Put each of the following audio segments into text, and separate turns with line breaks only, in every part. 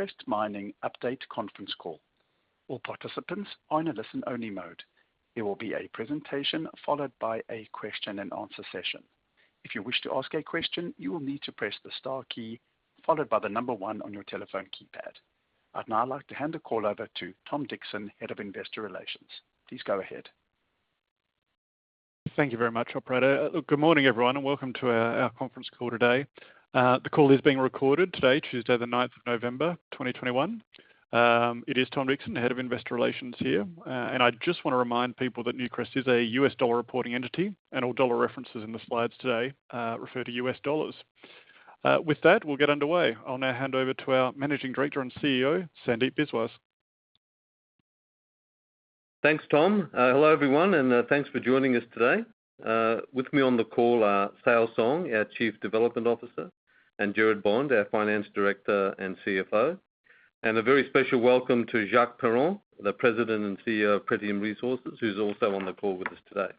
Newcrest Mining update conference call. All participants are in a listen-only mode. There will be a presentation followed by a question-and-answer session. If you wish to ask a question, you will need to press the star key followed by the number one on your telephone keypad. I'd now like to hand the call over to Tom Dixon, Head of Investor Relations. Please go ahead.
Thank you very much, operator. Look, good morning, everyone, and welcome to our conference call today. The call is being recorded today, Tuesday, the 9th of November, 2021. It is Tom Dixon, Head of Investor Relations here. I just wanna remind people that Newcrest is a U.S. dollar reporting entity, and all dollar references in the slides today refer to U.S. dollars. With that, we'll get underway. I'll now hand over to our Managing Director and CEO, Sandeep Biswas.
Thanks, Tom. Hello, everyone, and thanks for joining us today. With me on the call are Seil Song, our Chief Development Officer, and Gerard Bond, our Finance Director and CFO. A very special welcome to Jacques Perron, the President and CEO of Pretium Resources, who's also on the call with us today.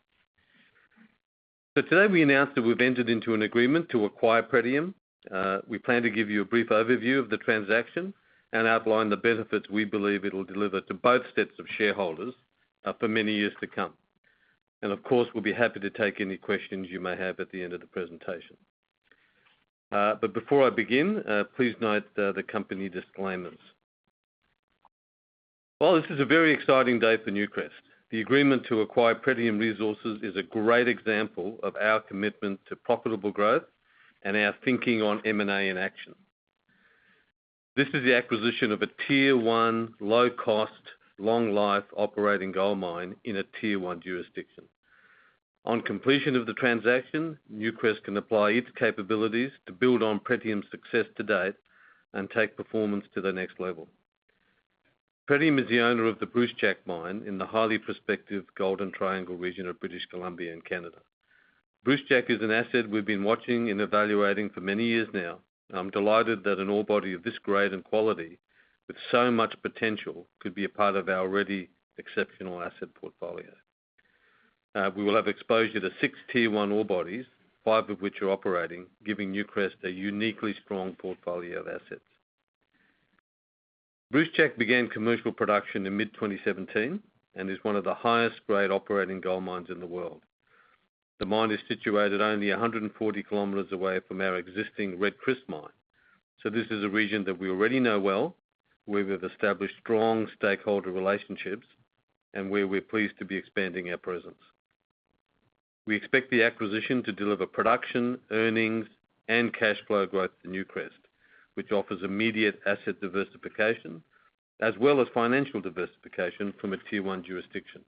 Today we announced that we've entered into an agreement to acquire Pretium. We plan to give you a brief overview of the transaction and outline the benefits we believe it'll deliver to both sets of shareholders, for many years to come. Of course, we'll be happy to take any questions you may have at the end of the presentation. Before I begin, please note the company disclaimers. Well, this is a very exciting day for Newcrest. The agreement to acquire Pretium Resources is a great example of our commitment to profitable growth and our thinking on M&A in action. This is the acquisition of a tier 1, low-cost, long-life operating gold mine in a tier-one jurisdiction. On completion of the transaction, Newcrest can apply its capabilities to build on Pretium's success to date and take performance to the next level. Pretium is the owner of the Brucejack mine in the highly prospective Golden Triangle region of British Columbia in Canada. Brucejack is an asset we've been watching and evaluating for many years now. I'm delighted that an ore body of this grade and quality with so much potential could be a part of our already exceptional asset portfolio. We will have exposure to six tier 1 ore bodies, five of which are operating, giving Newcrest a uniquely strong portfolio of assets. Brucejack began commercial production in mid-2017 and is one of the highest grade operating gold mines in the world. The mine is situated only 140 kilometers away from our existing Red Chris mine. This is a region that we already know well, where we've established strong stakeholder relationships, and where we're pleased to be expanding our presence. We expect the acquisition to deliver production, earnings, and cash flow growth to Newcrest, which offers immediate asset diversification as well as financial diversification from a tier 1 jurisdiction.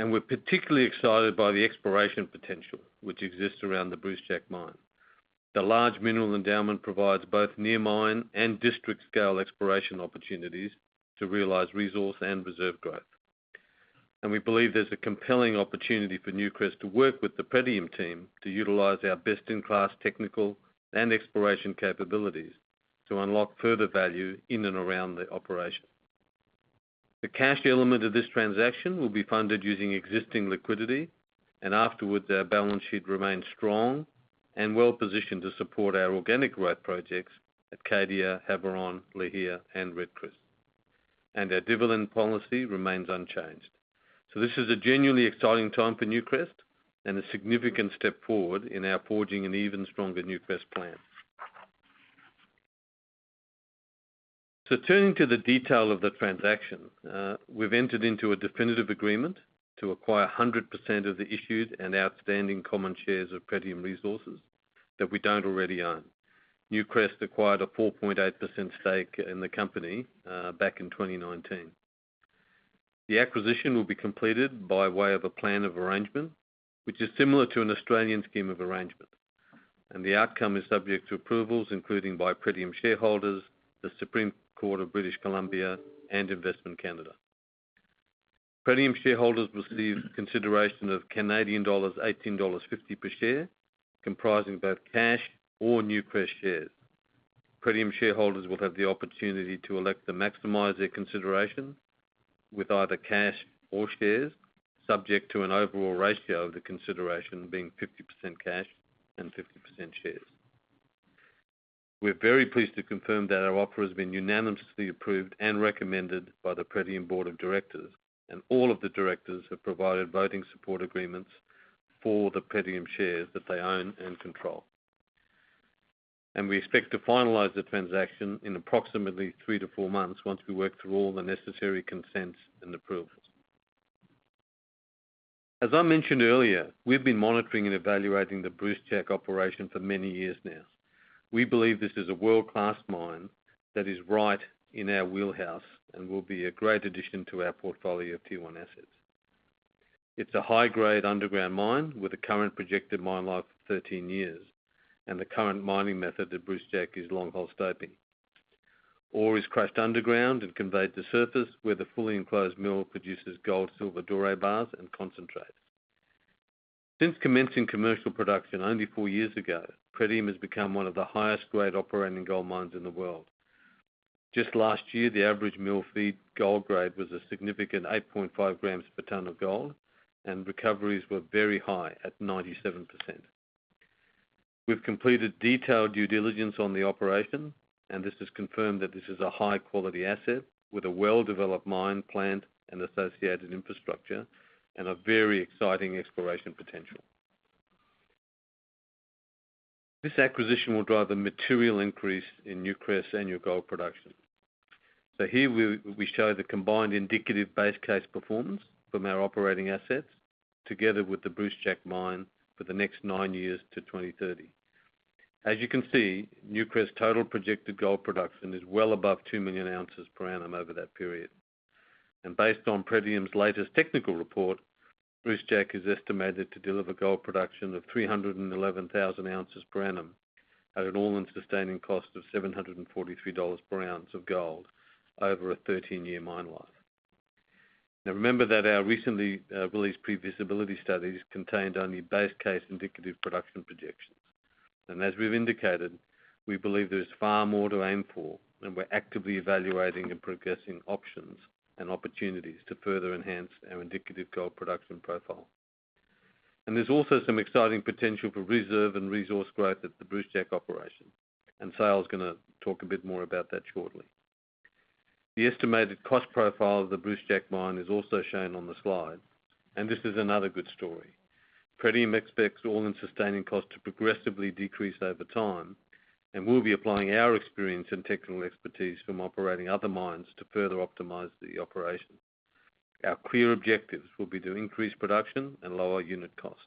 We're particularly excited by the exploration potential which exists around the Brucejack mine. The large mineral endowment provides both near mine and district scale exploration opportunities to realize resource and reserve growth. We believe there's a compelling opportunity for Newcrest to work with the Pretium team to utilize our best-in-class technical and exploration capabilities to unlock further value in and around the operation. The cash element of this transaction will be funded using existing liquidity, and afterward, our balance sheet remains strong and well-positioned to support our organic growth projects at Cadia, Havieron, Lihir, and Red Chris. Our dividend policy remains unchanged. This is a genuinely exciting time for Newcrest and a significant step forward in our forging an even stronger Newcrest plan. Turning to the detail of the transaction, we've entered into a definitive agreement to acquire 100% of the issued and outstanding common shares of Pretium Resources that we don't already own. Newcrest acquired a 4.8% stake in the company back in 2019. The acquisition will be completed by way of a plan of arrangement, which is similar to an Australian scheme of arrangement, and the outcome is subject to approvals, including by Pretium shareholders, the Supreme Court of British Columbia, and Investment Canada. Pretium shareholders will receive consideration of Canadian dollars 18.50 per share, comprising both cash or Newcrest shares. Pretium shareholders will have the opportunity to elect to maximize their consideration with either cash or shares, subject to an overall ratio of the consideration being 50% cash and 50% shares. We're very pleased to confirm that our offer has been unanimously approved and recommended by the Pretium board of directors, and all of the directors have provided voting support agreements for the Pretium shares that they own and control. We expect to finalize the transaction in approximately three to four months once we work through all the necessary consents and approvals. As I mentioned earlier, we've been monitoring and evaluating the Brucejack operation for many years now. We believe this is a world-class mine that is right in our wheelhouse and will be a great addition to our portfolio of tier-one assets. It's a high-grade underground mine with a current projected mine life of 13 years, and the current mining method at Brucejack is long hole stoping. Ore is crushed underground and conveyed to surface, where the fully enclosed mill produces gold silver doré bars and concentrates. Since commencing commercial production only four years ago, Pretium has become one of the highest grade operating gold mines in the world. Just last year, the average mill feed gold grade was a significant 8.5 grams per tonne of gold, and recoveries were very high at 97%. We've completed detailed due diligence on the operation, and this has confirmed that this is a high-quality asset with a well-developed mine, plant, and associated infrastructure, and a very exciting exploration potential. This acquisition will drive a material increase in Newcrest's annual gold production. Here we show the combined indicative base case performance from our operating assets together with the Brucejack mine for the next nine years to 2030. As you can see, Newcrest's total projected gold production is well above 2 million ounces per annum over that period. Based on Pretium's latest technical report, Brucejack is estimated to deliver gold production of 311,000 ounces per annum at an all-in sustaining cost of $743 per ounce of gold over a 13-year mine life. Now remember that our recently released pre-feasibility studies contained only base case indicative production projections. As we've indicated, we believe there is far more to aim for, and we're actively evaluating and progressing options and opportunities to further enhance our indicative gold production profile. There's also some exciting potential for reserve and resource growth at the Brucejack operation, and Seil's gonna talk a bit more about that shortly. The estimated cost profile of the Brucejack mine is also shown on the slide, and this is another good story. Pretium expects all-in sustaining cost to progressively decrease over time, and we'll be applying our experience and technical expertise from operating other mines to further optimize the operation. Our clear objectives will be to increase production and lower unit costs.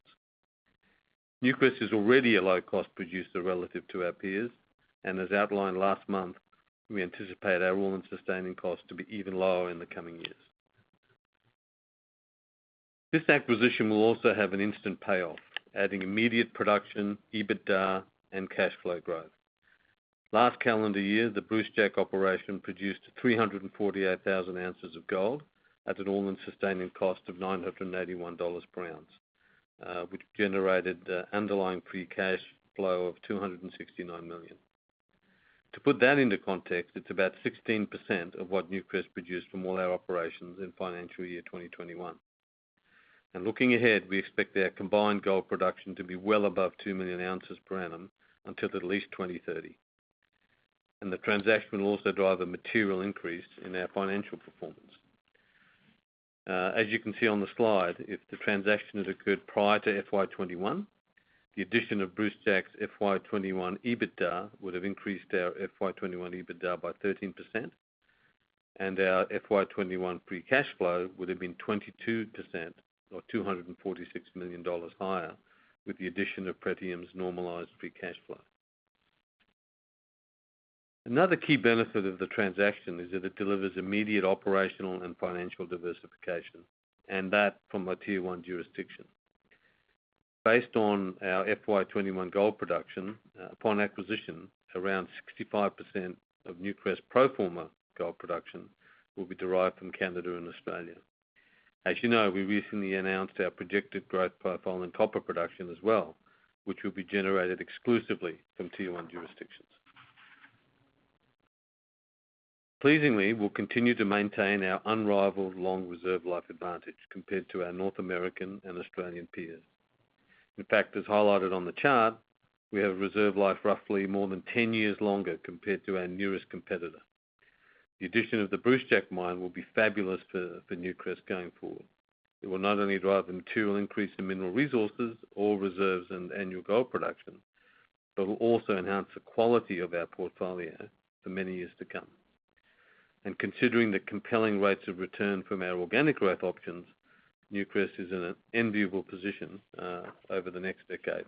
Newcrest is already a low-cost producer relative to our peers, and as outlined last month, we anticipate our all-in sustaining cost to be even lower in the coming years. This acquisition will also have an instant payoff, adding immediate production, EBITDA, and cash flow growth. Last calendar year, the Brucejack operation produced 348,000 ounces of gold at an all-in sustaining cost of $981 per ounce, which generated underlying free cash flow of $269 million. To put that into context, it's about 16% of what Newcrest produced from all our operations in financial year 2021. Looking ahead, we expect our combined gold production to be well above 2 million ounces per annum until at least 2030. The transaction will also drive a material increase in our financial performance. As you can see on the slide, if the transaction had occurred prior to FY 2021, the addition of Brucejack's FY 2021 EBITDA would have increased our FY 2021 EBITDA by 13%, and our FY 2021 free cash flow would have been 22% or $246 million higher with the addition of Pretium's normalized free cash flow. Another key benefit of the transaction is that it delivers immediate operational and financial diversification, and that from a tier 1 jurisdiction. Based on our FY 2021 gold production, upon acquisition, around 65% of Newcrest's pro forma gold production will be derived from Canada and Australia. As you know, we recently announced our projected growth profile in copper production as well, which will be generated exclusively from tier 1 jurisdictions. Pleasingly, we'll continue to maintain our unrivaled long reserve life advantage compared to our North American and Australian peers. In fact, as highlighted on the chart, we have a reserve life roughly more than 10 years longer compared to our nearest competitor. The addition of the Brucejack mine will be fabulous for Newcrest going forward. It will not only drive the material increase in mineral resources or reserves and annual gold production, but will also enhance the quality of our portfolio for many years to come. Considering the compelling rates of return from our organic growth options, Newcrest is in an enviable position over the next decade.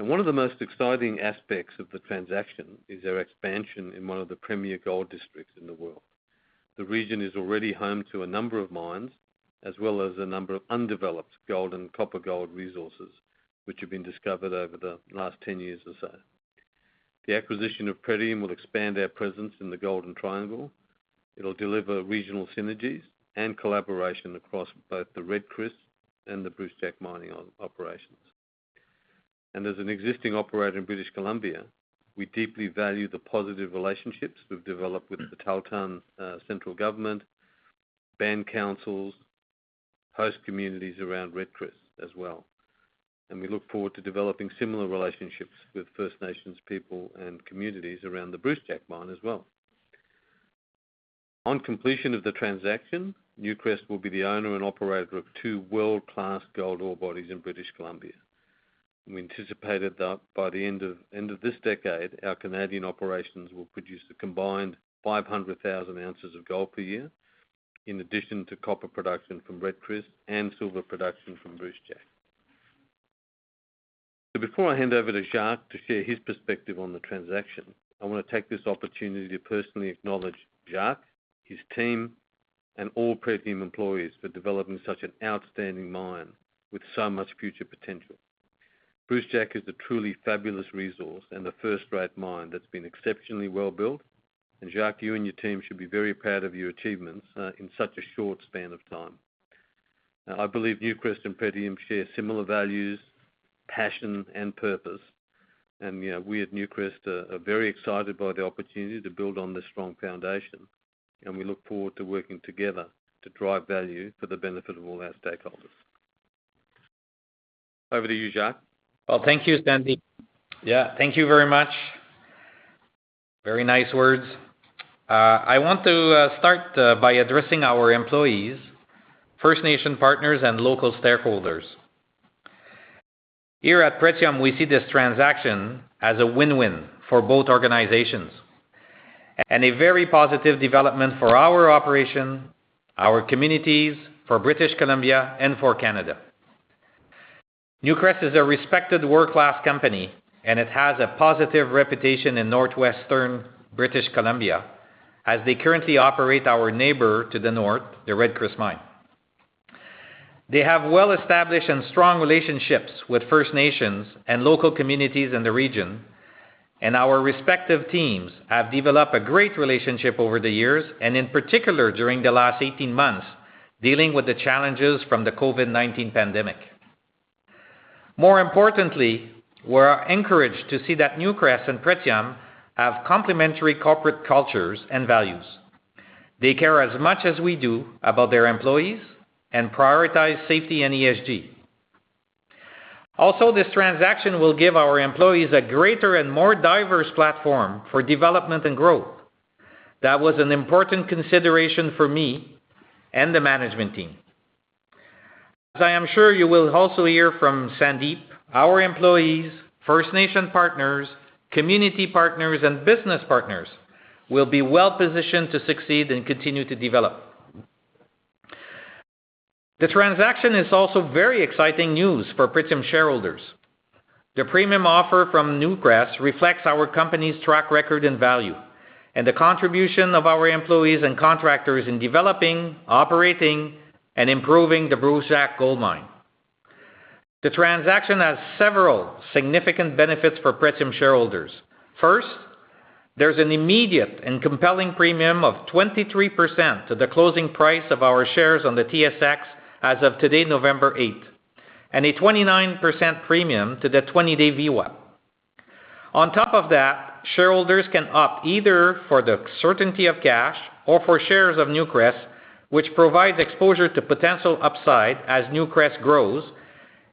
One of the most exciting aspects of the transaction is our expansion in one of the premier gold districts in the world. The region is already home to a number of mines as well as a number of undeveloped gold and copper gold resources which have been discovered over the last 10 years or so. The acquisition of Pretium will expand our presence in the Golden Triangle. It'll deliver regional synergies and collaboration across both the Red Chris and the Brucejack mining operations. As an existing operator in British Columbia, we deeply value the positive relationships we've developed with the Tahltan Central Government, band councils, host communities around Red Chris as well. We look forward to developing similar relationships with First Nations people and communities around the Brucejack mine as well. On completion of the transaction, Newcrest will be the owner and operator of two world-class gold ore bodies in British Columbia. We anticipated that by the end of this decade, our Canadian operations will produce a combined 500,000 ounces of gold per year in addition to copper production from Red Chris and silver production from Brucejack. Before I hand over to Jacques to share his perspective on the transaction, I want to take this opportunity to personally acknowledge Jacques, his team, and all Pretium employees for developing such an outstanding mine with so much future potential. Brucejack is a truly fabulous resource and a first-rate mine that's been exceptionally well-built. Jacques, you and your team should be very proud of your achievements in such a short span of time. I believe Newcrest and Pretium share similar values, passion, and purpose. You know, we at Newcrest are very excited by the opportunity to build on this strong foundation, and we look forward to working together to drive value for the benefit of all our stakeholders. Over to you, Jacques.
Well, thank you, Sandeep. Yeah, thank you very much. Very nice words. I want to start by addressing our employees, First Nation partners, and local stakeholders. Here at Pretium, we see this transaction as a win-win for both organizations and a very positive development for our operation, our communities, for British Columbia, and for Canada. Newcrest is a respected world-class company, and it has a positive reputation in northwestern British Columbia, as they currently operate our neighbor to the north, the Red Chris mine. They have well-established and strong relationships with First Nations and local communities in the region, and our respective teams have developed a great relationship over the years, and in particular, during the last 18 months, dealing with the challenges from the COVID-19 pandemic. More importantly, we're encouraged to see that Newcrest and Pretium have complementary corporate cultures and values. They care as much as we do about their employees and prioritize safety and ESG. Also, this transaction will give our employees a greater and more diverse platform for development and growth. That was an important consideration for me and the management team. As I am sure you will also hear from Sandeep, our employees, First Nation partners, community partners, and business partners will be well-positioned to succeed and continue to develop. The transaction is also very exciting news for Pretium shareholders. The premium offer from Newcrest reflects our company's track record and value and the contribution of our employees and contractors in developing, operating, and improving the Brucejack Gold Mine. The transaction has several significant benefits for Pretium shareholders. First, there's an immediate and compelling premium of 23% to the closing price of our shares on the TSX as of today, November eighth, and a 29% premium to the 20-day VWAP. On top of that, shareholders can opt either for the certainty of cash or for shares of Newcrest, which provides exposure to potential upside as Newcrest grows,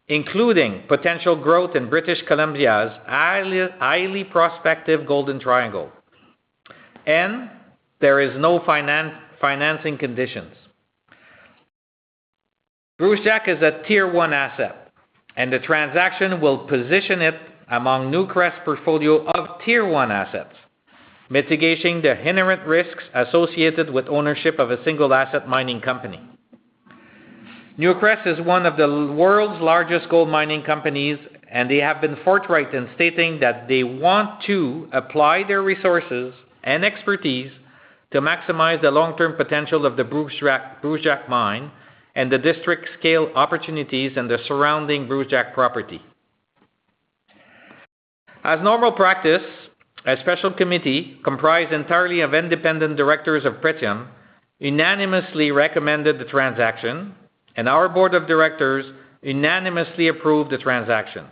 including potential growth in British Columbia's highly prospective Golden Triangle. There is no financing conditions. Brucejack is a tier-one asset, and the transaction will position it among Newcrest portfolio of tier-one assets, mitigating the inherent risks associated with ownership of a single asset mining company. Newcrest is one of the world's largest gold mining companies, and they have been forthright in stating that they want to apply their resources and expertise to maximize the long-term potential of the Brucejack Mine and the district scale opportunities and the surrounding Brucejack property. As normal practice, a special committee comprised entirely of independent directors of Pretium unanimously recommended the transaction, and our board of directors unanimously approved the transaction.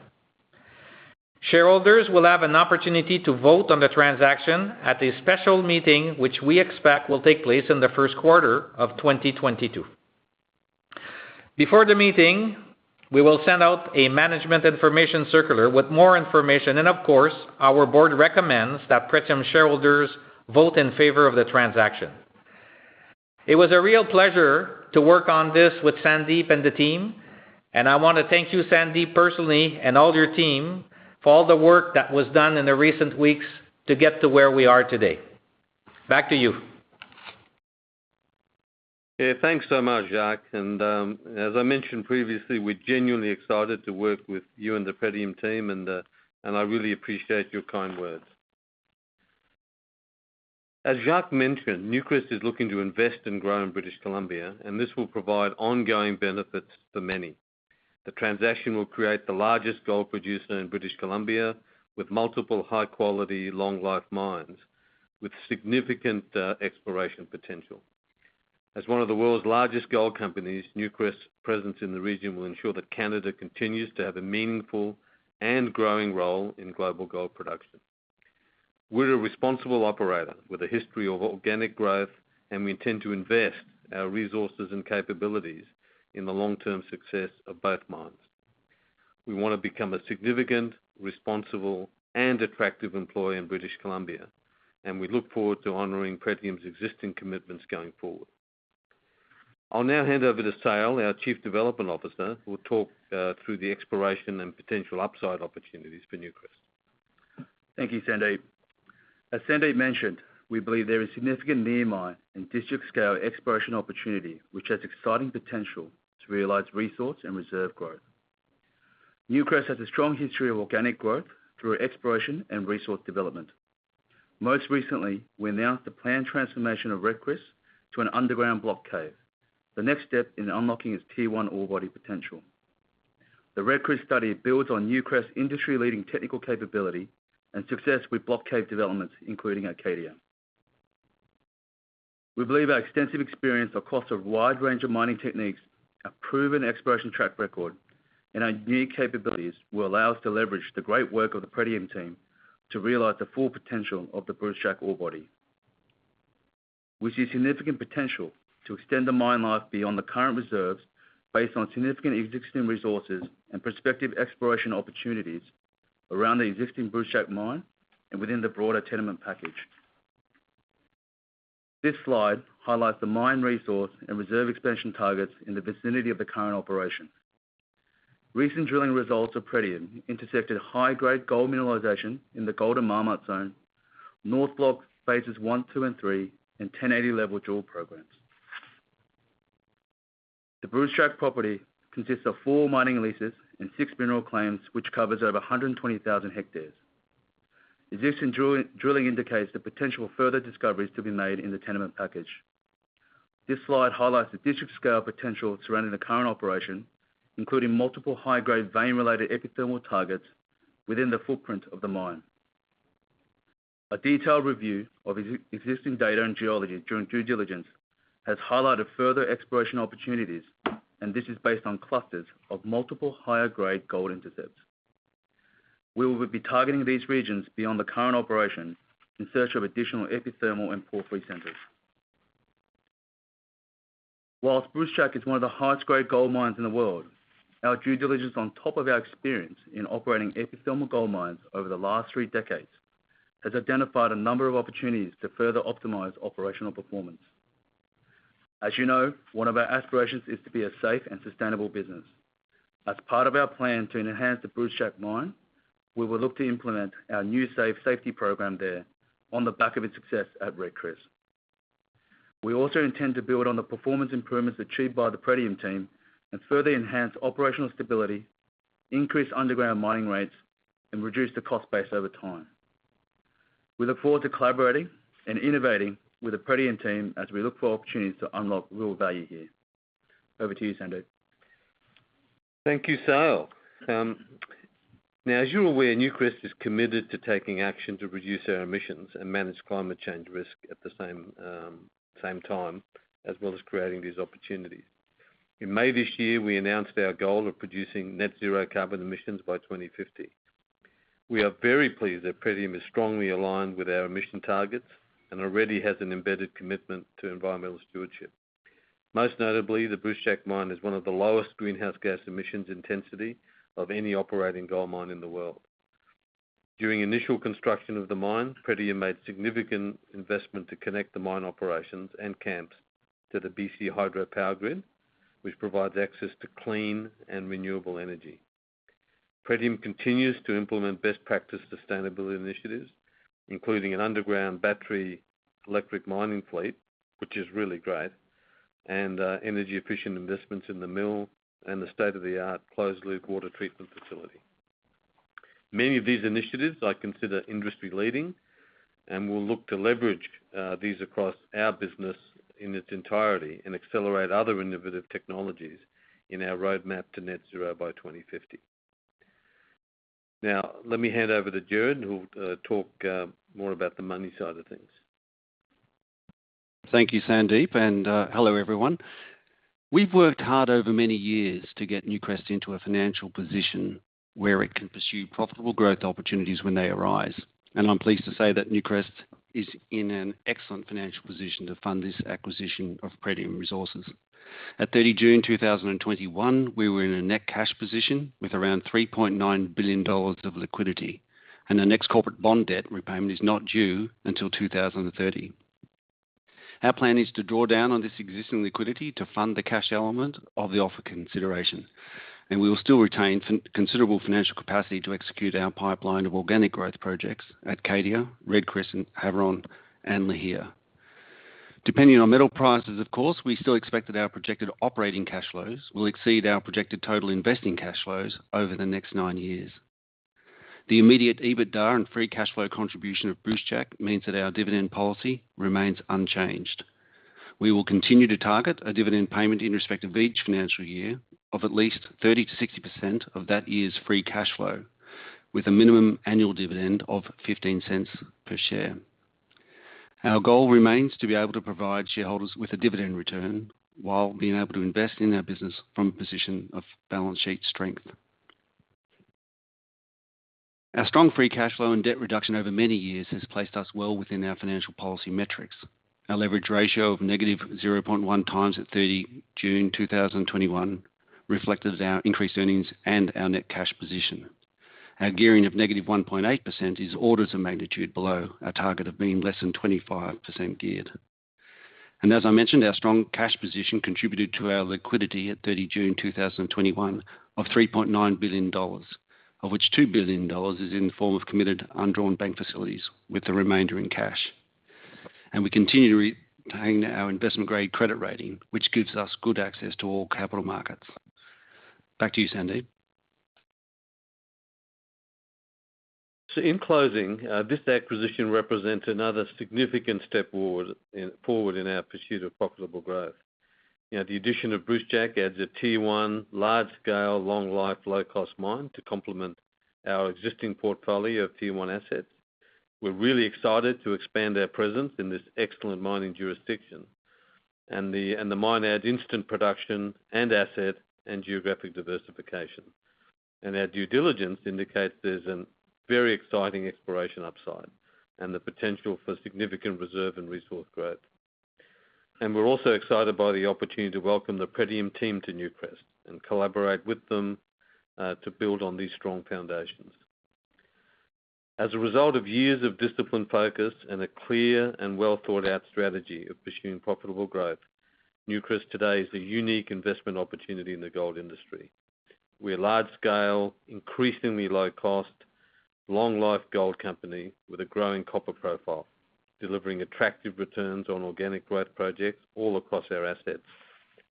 Shareholders will have an opportunity to vote on the transaction at a special meeting, which we expect will take place in the first quarter of 2022. Before the meeting, we will send out a management information circular with more information, and of course, our board recommends that Pretium shareholders vote in favor of the transaction. It was a real pleasure to work on this with Sandeep and the team, and I wanna thank you, Sandeep, personally, and all your team for all the work that was done in the recent weeks to get to where we are today. Back to you.
Yeah. Thanks so much, Jacques. As I mentioned previously, we're genuinely excited to work with you and the Pretium team, and I really appreciate your kind words. As Jacques mentioned, Newcrest is looking to invest and grow in British Columbia, and this will provide ongoing benefits for many. The transaction will create the largest gold producer in British Columbia with multiple high-quality long life mines with significant exploration potential. As one of the world's largest gold companies, Newcrest's presence in the region will ensure that Canada continues to have a meaningful and growing role in global gold production. We're a responsible operator with a history of organic growth, and we intend to invest our resources and capabilities in the long-term success of both mines. We wanna become a significant, responsible, and attractive employer in British Columbia, and we look forward to honoring Pretium's existing commitments going forward. I'll now hand over to Seil, our Chief Development Officer, who will talk through the exploration and potential upside opportunities for Newcrest.
Thank you, Sandeep. As Sandeep mentioned, we believe there is significant near mine and district-scale exploration opportunity, which has exciting potential to realize resource and reserve growth. Newcrest has a strong history of organic growth through exploration and resource development. Most recently, we announced the planned transformation of Red Chris to an underground block cave, the next step in unlocking its tier one ore body potential. The Red Chris study builds on Newcrest industry-leading technical capability and success with block cave developments, including Cadia. We believe our extensive experience across a wide range of mining techniques, our proven exploration track record, and our new capabilities will allow us to leverage the great work of the Pretium team to realize the full potential of the Brucejack ore body. We see significant potential to extend the mine life beyond the current reserves based on significant existing resources and prospective exploration opportunities around the existing Brucejack mine and within the broader tenement package. This slide highlights the mine resource and reserve expansion targets in the vicinity of the current operation. Recent drilling results of Pretium intersected high-grade gold mineralization in the Golden Marmot zone, North Block phases 1, 2, and 3, and 1,080 level drill programs. The Brucejack property consists of four mining leases and six mineral claims, which covers over 120,000 hectares. Existing drilling indicates the potential for further discoveries to be made in the tenement package. This slide highlights the district-scale potential surrounding the current operation, including multiple high-grade vein-related epithermal targets within the footprint of the mine. A detailed review of existing data and geology during due diligence has highlighted further exploration opportunities, and this is based on clusters of multiple higher-grade gold intercepts. We will be targeting these regions beyond the current operation in search of additional epithermal and porphyry centers. While Brucejack is one of the highest grade gold mines in the world, our due diligence on top of our experience in operating epithermal gold mines over the last three decades has identified a number of opportunities to further optimize operational performance. As you know, one of our aspirations is to be a safe and sustainable business. As part of our plan to enhance the Brucejack mine, we will look to implement our new safe safety program there on the back of its success at Red Chris. We also intend to build on the performance improvements achieved by the Pretium team and further enhance operational stability, increase underground mining rates, and reduce the cost base over time. We look forward to collaborating and innovating with the Pretium team as we look for opportunities to unlock real value here. Over to you, Sandeep.
Thank you, Seil. Now, as you're aware, Newcrest is committed to taking action to reduce our emissions and manage climate change risk at the same time, as well as creating these opportunities. In May this year, we announced our goal of producing net zero carbon emissions by 2050. We are very pleased that Pretium is strongly aligned with our emission targets and already has an embedded commitment to environmental stewardship. Most notably, the Brucejack mine is one of the lowest greenhouse gas emissions intensity of any operating gold mine in the world. During initial construction of the mine, Pretium made significant investment to connect the mine operations and camps to the BC Hydro power grid, which provides access to clean and renewable energy. Pretium continues to implement best practice sustainability initiatives, including an underground battery electric mining fleet, which is really great, and energy-efficient investments in the mill and the state-of-the-art closed-loop water treatment facility. Many of these initiatives I consider industry-leading, and we'll look to leverage these across our business in its entirety and accelerate other innovative technologies in our roadmap to net zero by 2050. Now let me hand over to Gerard, who will talk more about the money side of things.
Thank you, Sandeep, and hello, everyone. We've worked hard over many years to get Newcrest into a financial position where it can pursue profitable growth opportunities when they arise. I'm pleased to say that Newcrest is in an excellent financial position to fund this acquisition of Pretium Resources. At 30 June 2021, we were in a net cash position with around $3.9 billion of liquidity, and the next corporate bond debt repayment is not due until 2030. Our plan is to draw down on this existing liquidity to fund the cash element of the offer consideration. We will still retain considerable financial capacity to execute our pipeline of organic growth projects at Cadia, Red Chris, Havieron, and Lihir. Depending on metal prices, of course, we still expect that our projected operating cash flows will exceed our projected total investing cash flows over the next nine years. The immediate EBITDA and free cash flow contribution of Brucejack means that our dividend policy remains unchanged. We will continue to target a dividend payment in respect of each financial year of at least 30%-60% of that year's free cash flow, with a minimum annual dividend of 0.15 per share. Our goal remains to be able to provide shareholders with a dividend return while being able to invest in our business from a position of balance sheet strength. Our strong free cash flow and debt reduction over many years has placed us well within our financial policy metrics. Our leverage ratio of -0.1x at 30 June 2021 reflected our increased earnings and our net cash position. Our gearing of -1.8% is orders of magnitude below our target of being less than 25% geared. As I mentioned, our strong cash position contributed to our liquidity at 30 June 2021 of $3.9 billion, of which $2 billion is in the form of committed undrawn bank facilities with the remainder in cash. We continue to retain our investment-grade credit rating, which gives us good access to all capital markets. Back to you, Sandeep.
In closing, this acquisition represents another significant step forward in our pursuit of profitable growth. The addition of Brucejack adds a Tier One large scale, long life, low cost mine to complement our existing portfolio of Tier One assets. We're really excited to expand our presence in this excellent mining jurisdiction. The mine adds instant production and asset and geographic diversification. Our due diligence indicates there's a very exciting exploration upside and the potential for significant reserve and resource growth. We're also excited by the opportunity to welcome the Pretium team to Newcrest and collaborate with them to build on these strong foundations. As a result of years of disciplined focus and a clear and well-thought-out strategy of pursuing profitable growth, Newcrest today is a unique investment opportunity in the gold industry. We're a large scale, increasingly low cost, long life gold company with a growing copper profile, delivering attractive returns on organic growth projects all across our assets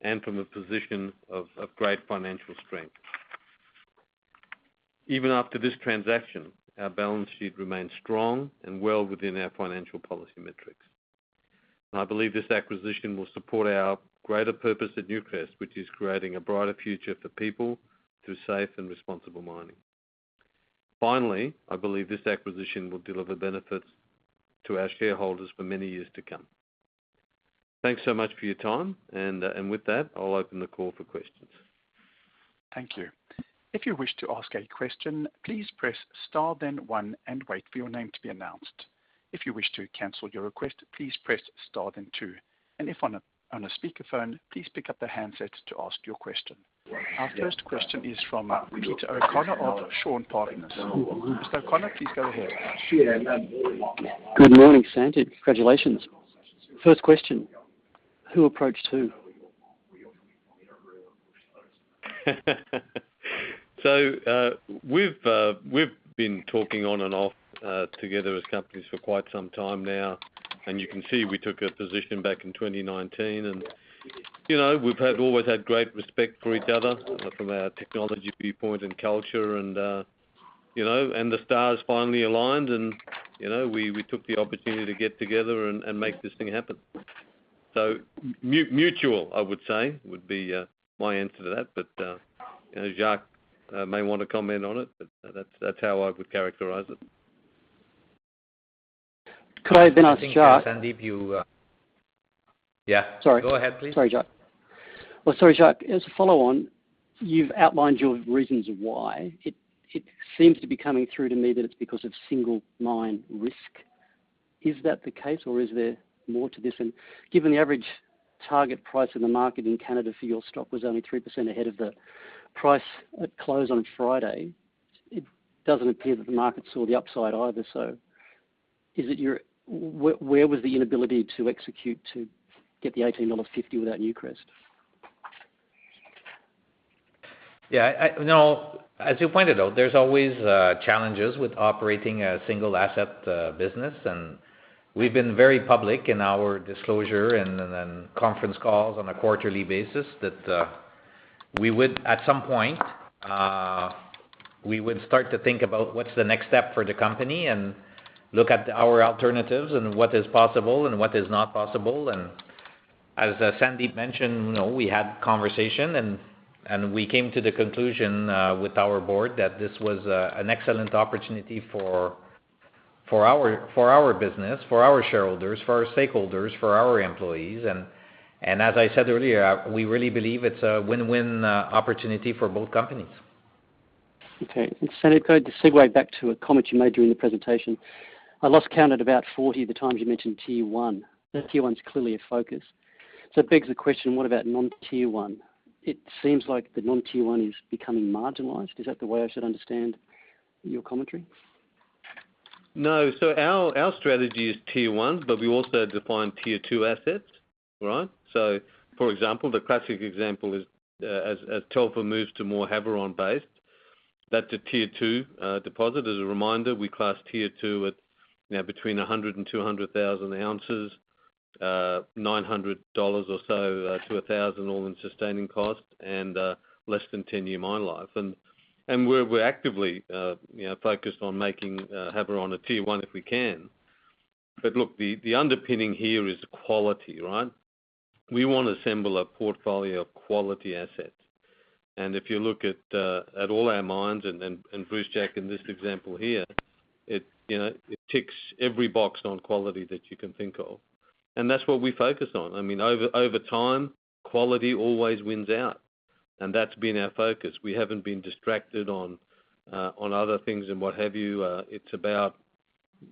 and from a position of great financial strength. Even after this transaction, our balance sheet remains strong and well within our financial policy metrics. I believe this acquisition will support our greater purpose at Newcrest, which is creating a brighter future for people through safe and responsible mining. Finally, I believe this acquisition will deliver benefits to our shareholders for many years to come. Thanks so much for your time, and with that, I'll open the call for questions.
Our first question is from Peter O'Connor of Shaw and Partners. Mr. O'Connor, please go ahead.
Good morning, Sandeep. Congratulations. First question. Who approached who?
We've been talking on and off together as companies for quite some time now, and you can see we took a position back in 2019. You know, we've always had great respect for each other from a technology viewpoint and culture and, you know, and the stars finally aligned and, you know, we took the opportunity to get together and make this thing happen. Mutual, I would say, would be my answer to that. You know, Jacques may want to comment on it, but that's how I would characterize it.
Could I then ask Jacques?
I think Sandeep, you
Yeah.
Sorry.
Go ahead, please.
Sorry, Jacques. Well, as a follow on, you've outlined your reasons why. It seems to be coming through to me that it's because of single mine risk. Is that the case or is there more to this? Given the average target price in the market in Canada for your stock was only 3% ahead of the price at close on Friday, it doesn't appear that the market saw the upside either. Where was the inability to execute to get the 18.50 dollar without Newcrest?
No. As you pointed out, there's always challenges with operating a single asset business. We've been very public in our disclosure and conference calls on a quarterly basis that we would at some point start to think about what's the next step for the company and look at our alternatives and what is possible and what is not possible. As Sandeep mentioned, you know, we had conversation and we came to the conclusion with our board that this was an excellent opportunity for our business, for our shareholders, for our stakeholders, for our employees. As I said earlier, we really believe it's a win-win opportunity for both companies.
Okay. Sandeep, going to segue back to a comment you made during the presentation. I lost count at about 40 times you mentioned Tier One. Tier One is clearly a focus. It begs the question, what about non-Tier 1? It seems like the non-Tier 1 is becoming marginalized. Is that the way I should understand your commentary?
No. Our strategy is Tier 1, but we also define Tier Two assets, all right? For example, the classic example is as Telfer moves to more Havieron based, that's a Tier Two deposit. As a reminder, we class Tier 2 at now between 100,000 and 200,000 ounces, $900 or so to $1,000 all-in sustaining cost and less than 10-year mine life. We're actively you know focused on making Havieron a Tier 1 if we can. Look, the underpinning here is quality, right? We wanna assemble a portfolio of quality assets. If you look at all our mines and Brucejack in this example here, it you know it ticks every box on quality that you can think of. That's what we focus on. I mean, over time, quality always wins out, and that's been our focus. We haven't been distracted on other things and what have you. It's about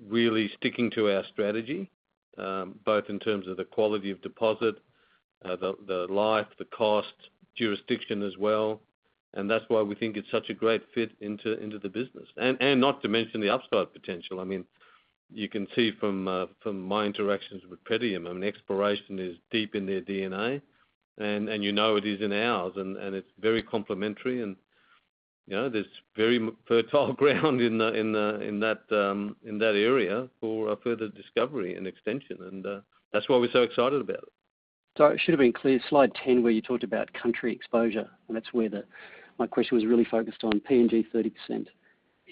really sticking to our strategy, both in terms of the quality of deposit, the life, the cost, jurisdiction as well. That's why we think it's such a great fit into the business. Not to mention the upside potential. I mean, you can see from my interactions with Pretium, I mean, exploration is deep in their DNA, and you know it is in ours, and it's very complementary and, you know, there's very fertile ground in that area for a further discovery and extension. That's why we're so excited about it.
Sorry, it should have been clear. Slide 10, where you talked about country exposure, and that's where my question was really focused on PNG 30%.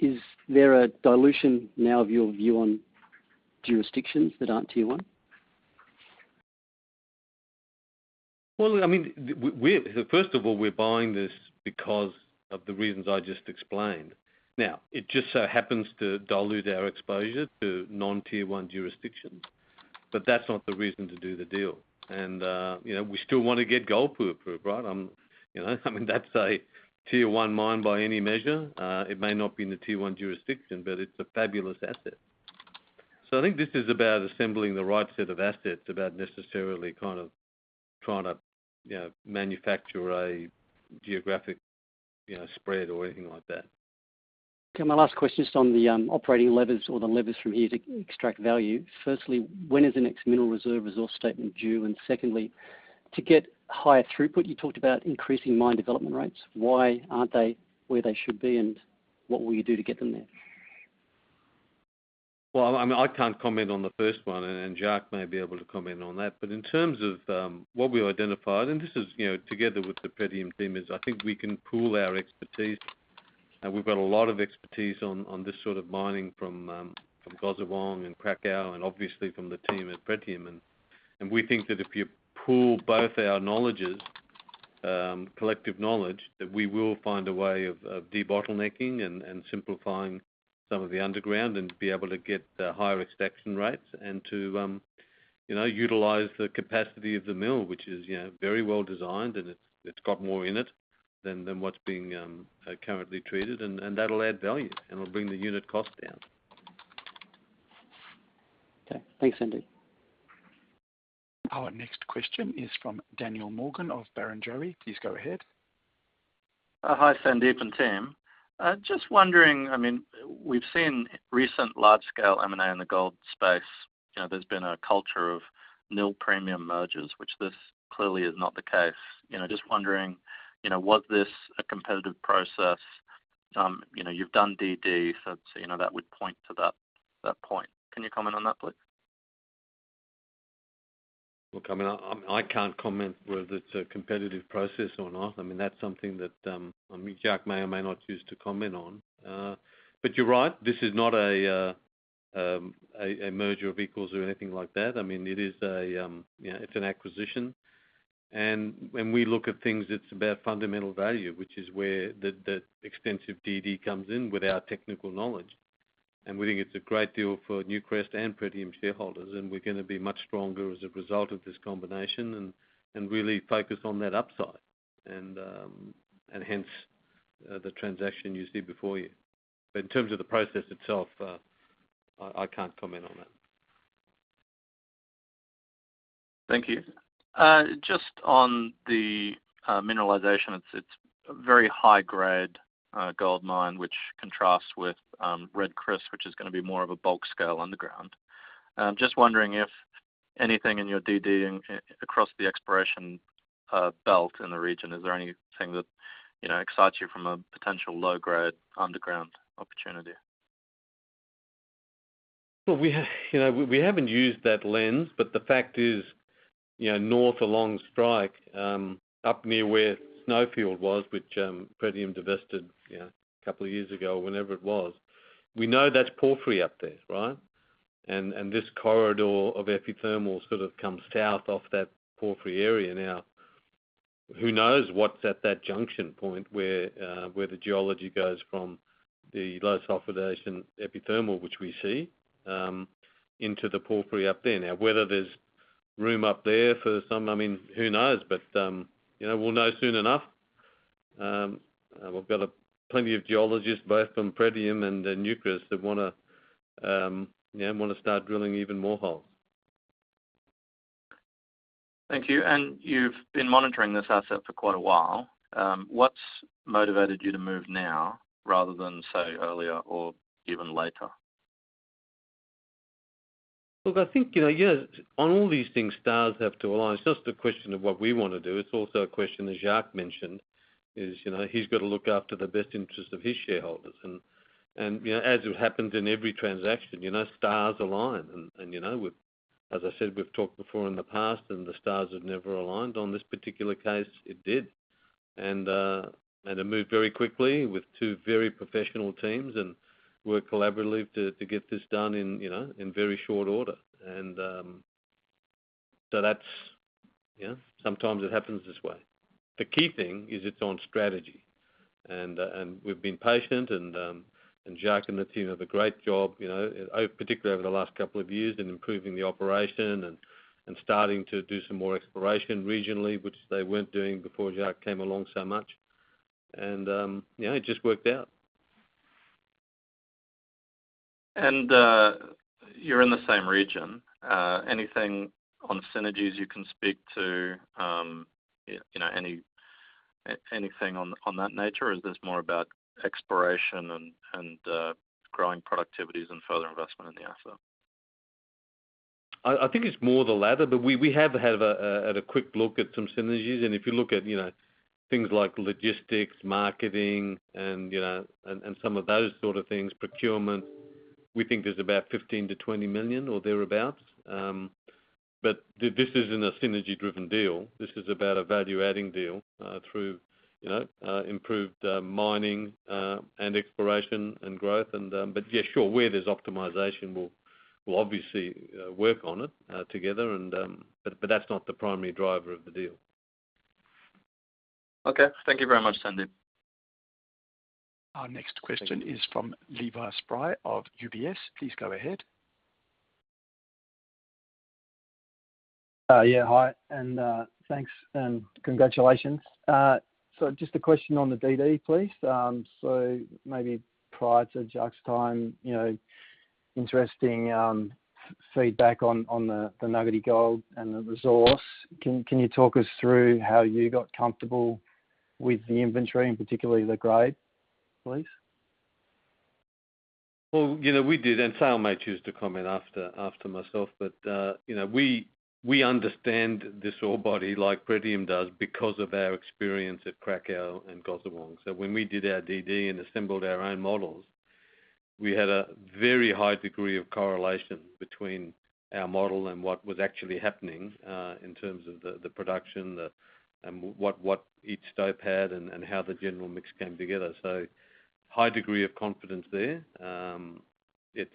Is there a dilution now of your view on jurisdictions that aren't tier one?
Well, I mean, first of all, we're buying this because of the reasons I just explained. Now, it just so happens to dilute our exposure to non-tier one jurisdictions. But that's not the reason to do the deal. You know, we still wanna get Golpu approved, right? You know, I mean, that's a tier one mine by any measure. It may not be in the tier one jurisdiction, but it's a fabulous asset. I think this is about assembling the right set of assets about necessarily kind of trying to, you know, manufacture a geographic, you know, spread or anything like that.
Okay, my last question is on the operating levers or the levers from here to extract value. Firstly, when is the next mineral reserve resource statement due? Secondly, to get higher throughput, you talked about increasing mine development rates. Why aren't they where they should be, and what will you do to get them there?
Well, I mean, I can't comment on the first one, and Jacques may be able to comment on that. In terms of what we identified, and this is, you know, together with the Pretium team, is I think we can pool our expertise. We've got a lot of expertise on this sort of mining from Gosowong and Cracow, and obviously from the team at Pretium. We think that if you pool both our knowledges, collective knowledge, that we will find a way of de-bottlenecking and simplifying some of the underground and be able to get higher extraction rates and to utilize the capacity of the mill, which is, you know, very well designed, and it's got more in it than what's being currently treated. That'll add value, and it'll bring the unit cost down.
Okay. Thanks, Sandeep.
Our next question is from Daniel Morgan of Barrenjoey. Please go ahead.
Hi, Sandeep and team. Just wondering, I mean, we've seen recent large-scale M&A in the gold space. You know, there's been a culture of nil-premium mergers, which this clearly is not the case. You know, just wondering, you know, was this a competitive process? You know, you've done DD, so, you know, that would point to that point. Can you comment on that, please?
Look, I mean, I can't comment whether it's a competitive process or not. I mean, that's something that I mean, Jacques may or may not choose to comment on. But you're right, this is not a merger of equals or anything like that. I mean, you know, it's an acquisition. When we look at things, it's about fundamental value, which is where the extensive DD comes in with our technical knowledge. We think it's a great deal for Newcrest and Pretium shareholders, and we're gonna be much stronger as a result of this combination and really focus on that upside and hence the transaction you see before you. In terms of the process itself, I can't comment on that.
Thank you. Just on the mineralization, it's a very high-grade gold mine, which contrasts with Red Chris, which is gonna be more of a bulk scale underground. Just wondering if anything in your DD and across the exploration belt in the region is there anything that you know excites you from a potential low-grade underground opportunity?
Well, you know, we haven't used that lens, but the fact is, you know, north along strike, up near where Snowfield was, which Pretium divested, you know, a couple of years ago, whenever it was, we know that's porphyry up there, right? This corridor of epithermal sort of comes south off that porphyry area. Now, who knows what's at that junction point where the geology goes from the low sulfidation epithermal, which we see, into the porphyry up there. Now, whether there's room up there for some, I mean, who knows? But, you know, we'll know soon enough. We've got plenty of geologists, both from Pretium and Newcrest that wanna, you know, start drilling even more holes.
Thank you. You've been monitoring this asset for quite a while. What's motivated you to move now rather than, say, earlier or even later?
Look, I think, you know, yeah, on all these things, stars have to align. It's just a question of what we wanna do. It's also a question, as Jacques mentioned, you know, he's gotta look after the best interest of his shareholders. You know, as it happens in every transaction, you know, stars align. You know, as I said, we've talked before in the past, and the stars have never aligned. On this particular case, it did. It moved very quickly with two very professional teams, and worked collaboratively to get this done in, you know, in very short order. That's, you know, sometimes it happens this way. The key thing is it's on strategy. We've been patient and Jacques and the team have done a great job, you know, particularly over the last couple of years in improving the operation and starting to do some more exploration regionally, which they weren't doing before Jacques came along so much. You know, it just worked out.
You're in the same region. Anything on synergies you can speak to, you know, anything on that nature? Is this more about exploration and growing productivities and further investment in the asset?
I think it's more the latter, but we have had a quick look at some synergies. If you look at, you know, things like logistics, marketing and, you know, some of those sort of things, procurement, we think there's about $15 million-$20 million or thereabouts. This isn't a synergy-driven deal. This is about a value-adding deal through, you know, improved mining and exploration and growth. Yeah, sure, where there's optimization, we'll obviously work on it together, but that's not the primary driver of the deal.
Okay. Thank you very much, Sandeep.
Our next question is from Levi Spry of UBS. Please go ahead.
Yeah, hi, thanks and congratulations. Just a question on the DD, please. Maybe prior to Jacques' time, you know, interesting feedback on the nuggety gold and the resource. Can you talk us through how you got comfortable with the inventory, and particularly the grade, please?
Well, you know, we did, and Seil may choose to comment after myself, but, you know, we understand this ore body like Pretium does because of our experience at Cracow and Gosowong. So when we did our DD and assembled our own models, we had a very high degree of correlation between our model and what was actually happening in terms of the production, what each stope had and how the general mix came together. So high degree of confidence there. It's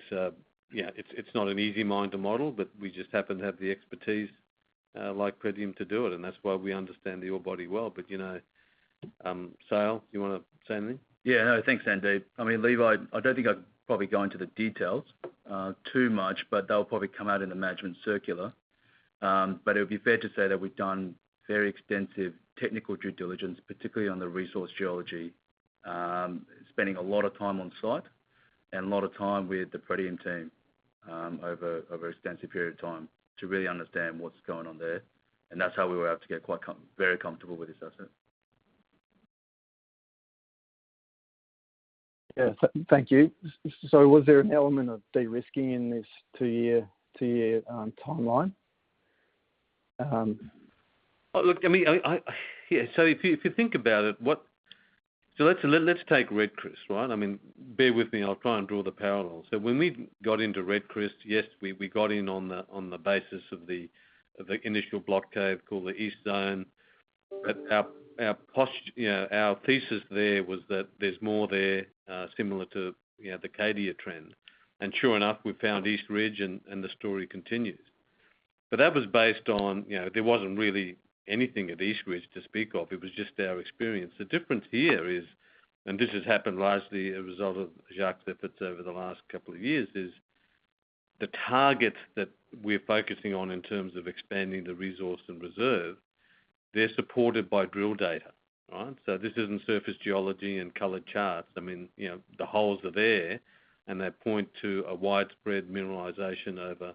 yeah, it's not an easy mine to model, but we just happen to have the expertise like Pretium to do it, and that's why we understand the ore body well. But, you know, Seil, do you wanna say anything?
Yeah. No, thanks, Sandeep. I mean, Levi, I don't think I'd probably go into the details too much, but they'll probably come out in the management circular. It would be fair to say that we've done very extensive technical due diligence, particularly on the resource geology, spending a lot of time on site and a lot of time with the Pretium team, over an extensive period of time to really understand what's going on there, and that's how we were able to get very comfortable with this asset.
Yeah. Thank you. Was there an element of de-risking in this two-year timeline?
Look, I mean. Yeah. If you think about it, let's take Red Chris, right? I mean, bear with me. I'll try and draw the parallels. When we got into Red Chris, yes, we got in on the basis of the initial block cave called the East Zone. Our post, you know, our thesis there was that there's more there, similar to, you know, the Cadia trend. Sure enough, we found East Ridge and the story continues. That was based on, you know, there wasn't really anything at East Ridge to speak of. It was just our experience. The difference here is, and this has happened largely as a result of Jacques' efforts over the last couple of years, is the targets that we're focusing on in terms of expanding the resource and reserve, they're supported by drill data, right? This isn't surface geology and colored charts. I mean, you know, the holes are there, and they point to a widespread mineralization over,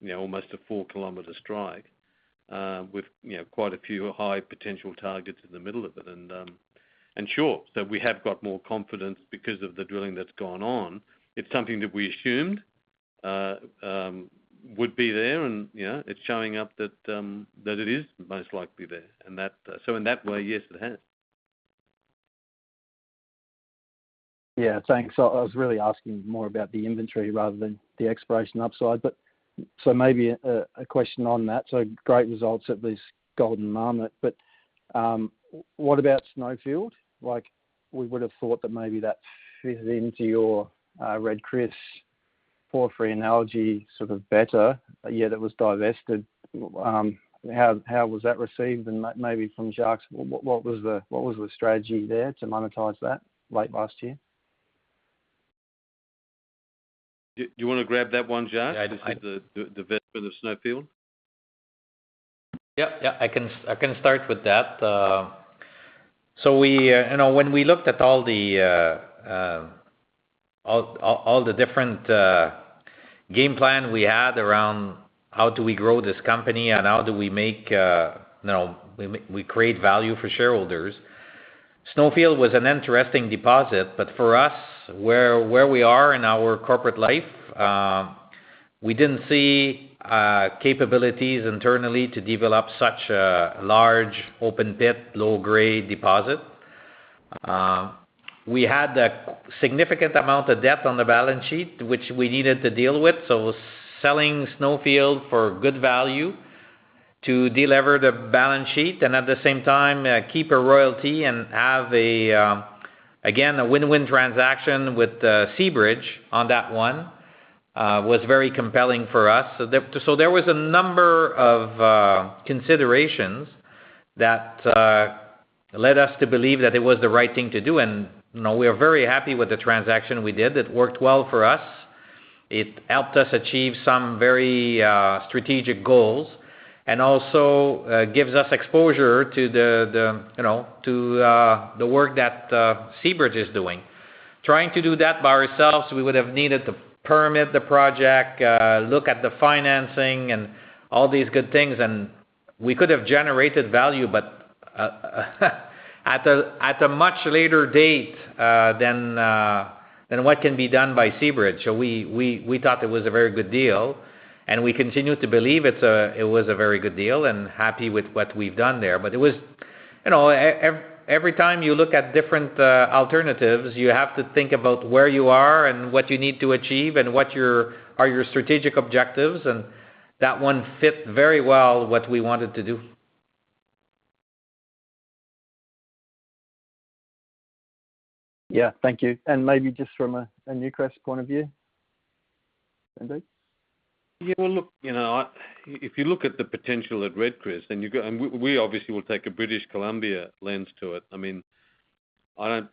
you know, almost a four-kilometer strike, with, you know, quite a few high potential targets in the middle of it. We have got more confidence because of the drilling that's gone on. It's something that we assumed would be there and, you know, it's showing up that that it is most likely there. In that way, yes, it has.
Yeah. Thanks. I was really asking more about the inventory rather than the exploration upside, but maybe a question on that. Great results at least Golden Marmot. What about Snowfield? Like, we would've thought that maybe that fitted into your Red Chris four for analogy sort of better, but yet it was divested. How was that received? And maybe from Jacques, what was the strategy there to monetize that late last year?
Do you wanna grab that one, Jacques? Just with the best for the Snowfield.
Yeah. I can start with that. You know, when we looked at all the different game plan we had around how do we grow this company and how do we make you know we create value for shareholders, Snowfield was an interesting deposit, but for us, where we are in our corporate life, we didn't see capabilities internally to develop such a large open pit, low grade deposit. We had a significant amount of debt on the balance sheet, which we needed to deal with. Selling Snowfield for good value to de-lever the balance sheet and at the same time, keep a royalty and have a, again, a win-win transaction with Seabridge on that one was very compelling for us. There was a number of considerations that led us to believe that it was the right thing to do. You know, we are very happy with the transaction we did. It worked well for us. It helped us achieve some very strategic goals and also gives us exposure to the you know to the work that Seabridge is doing. Trying to do that by ourselves, we would have needed to permit the project look at the financing and all these good things, and we could have generated value, but at a much later date than what can be done by Seabridge. We thought it was a very good deal, and we continue to believe it was a very good deal and happy with what we've done there. But it was- You know, every time you look at different alternatives, you have to think about where you are and what you need to achieve and what are your strategic objectives, and that one fit very well what we wanted to do.
Yeah. Thank you. Maybe just from a Newcrest point of view. Sandeep.
Yeah. Well, look, you know, if you look at the potential at Red Chris. We obviously will take a British Columbia lens to it. I mean, I don't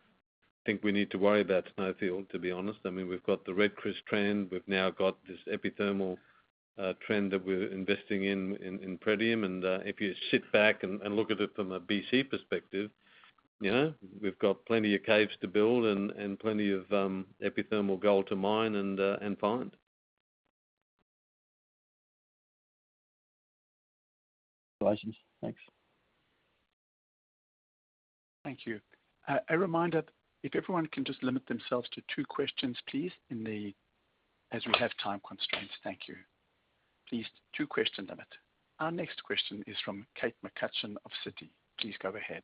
think we need to worry about Snowfield, to be honest. I mean, we've got the Red Chris trend. We've now got this epithermal trend that we're investing in in Pretium. If you sit back and look at it from a BC perspective, you know, we've got plenty of caves to build and plenty of epithermal gold to mine and find.
Thanks.
Thank you. A reminder, if everyone can just limit themselves to two questions, please. As we have time constraints. Thank you. Please, two-question limit. Our next question is from Kate McCutcheon of Citi. Please go ahead.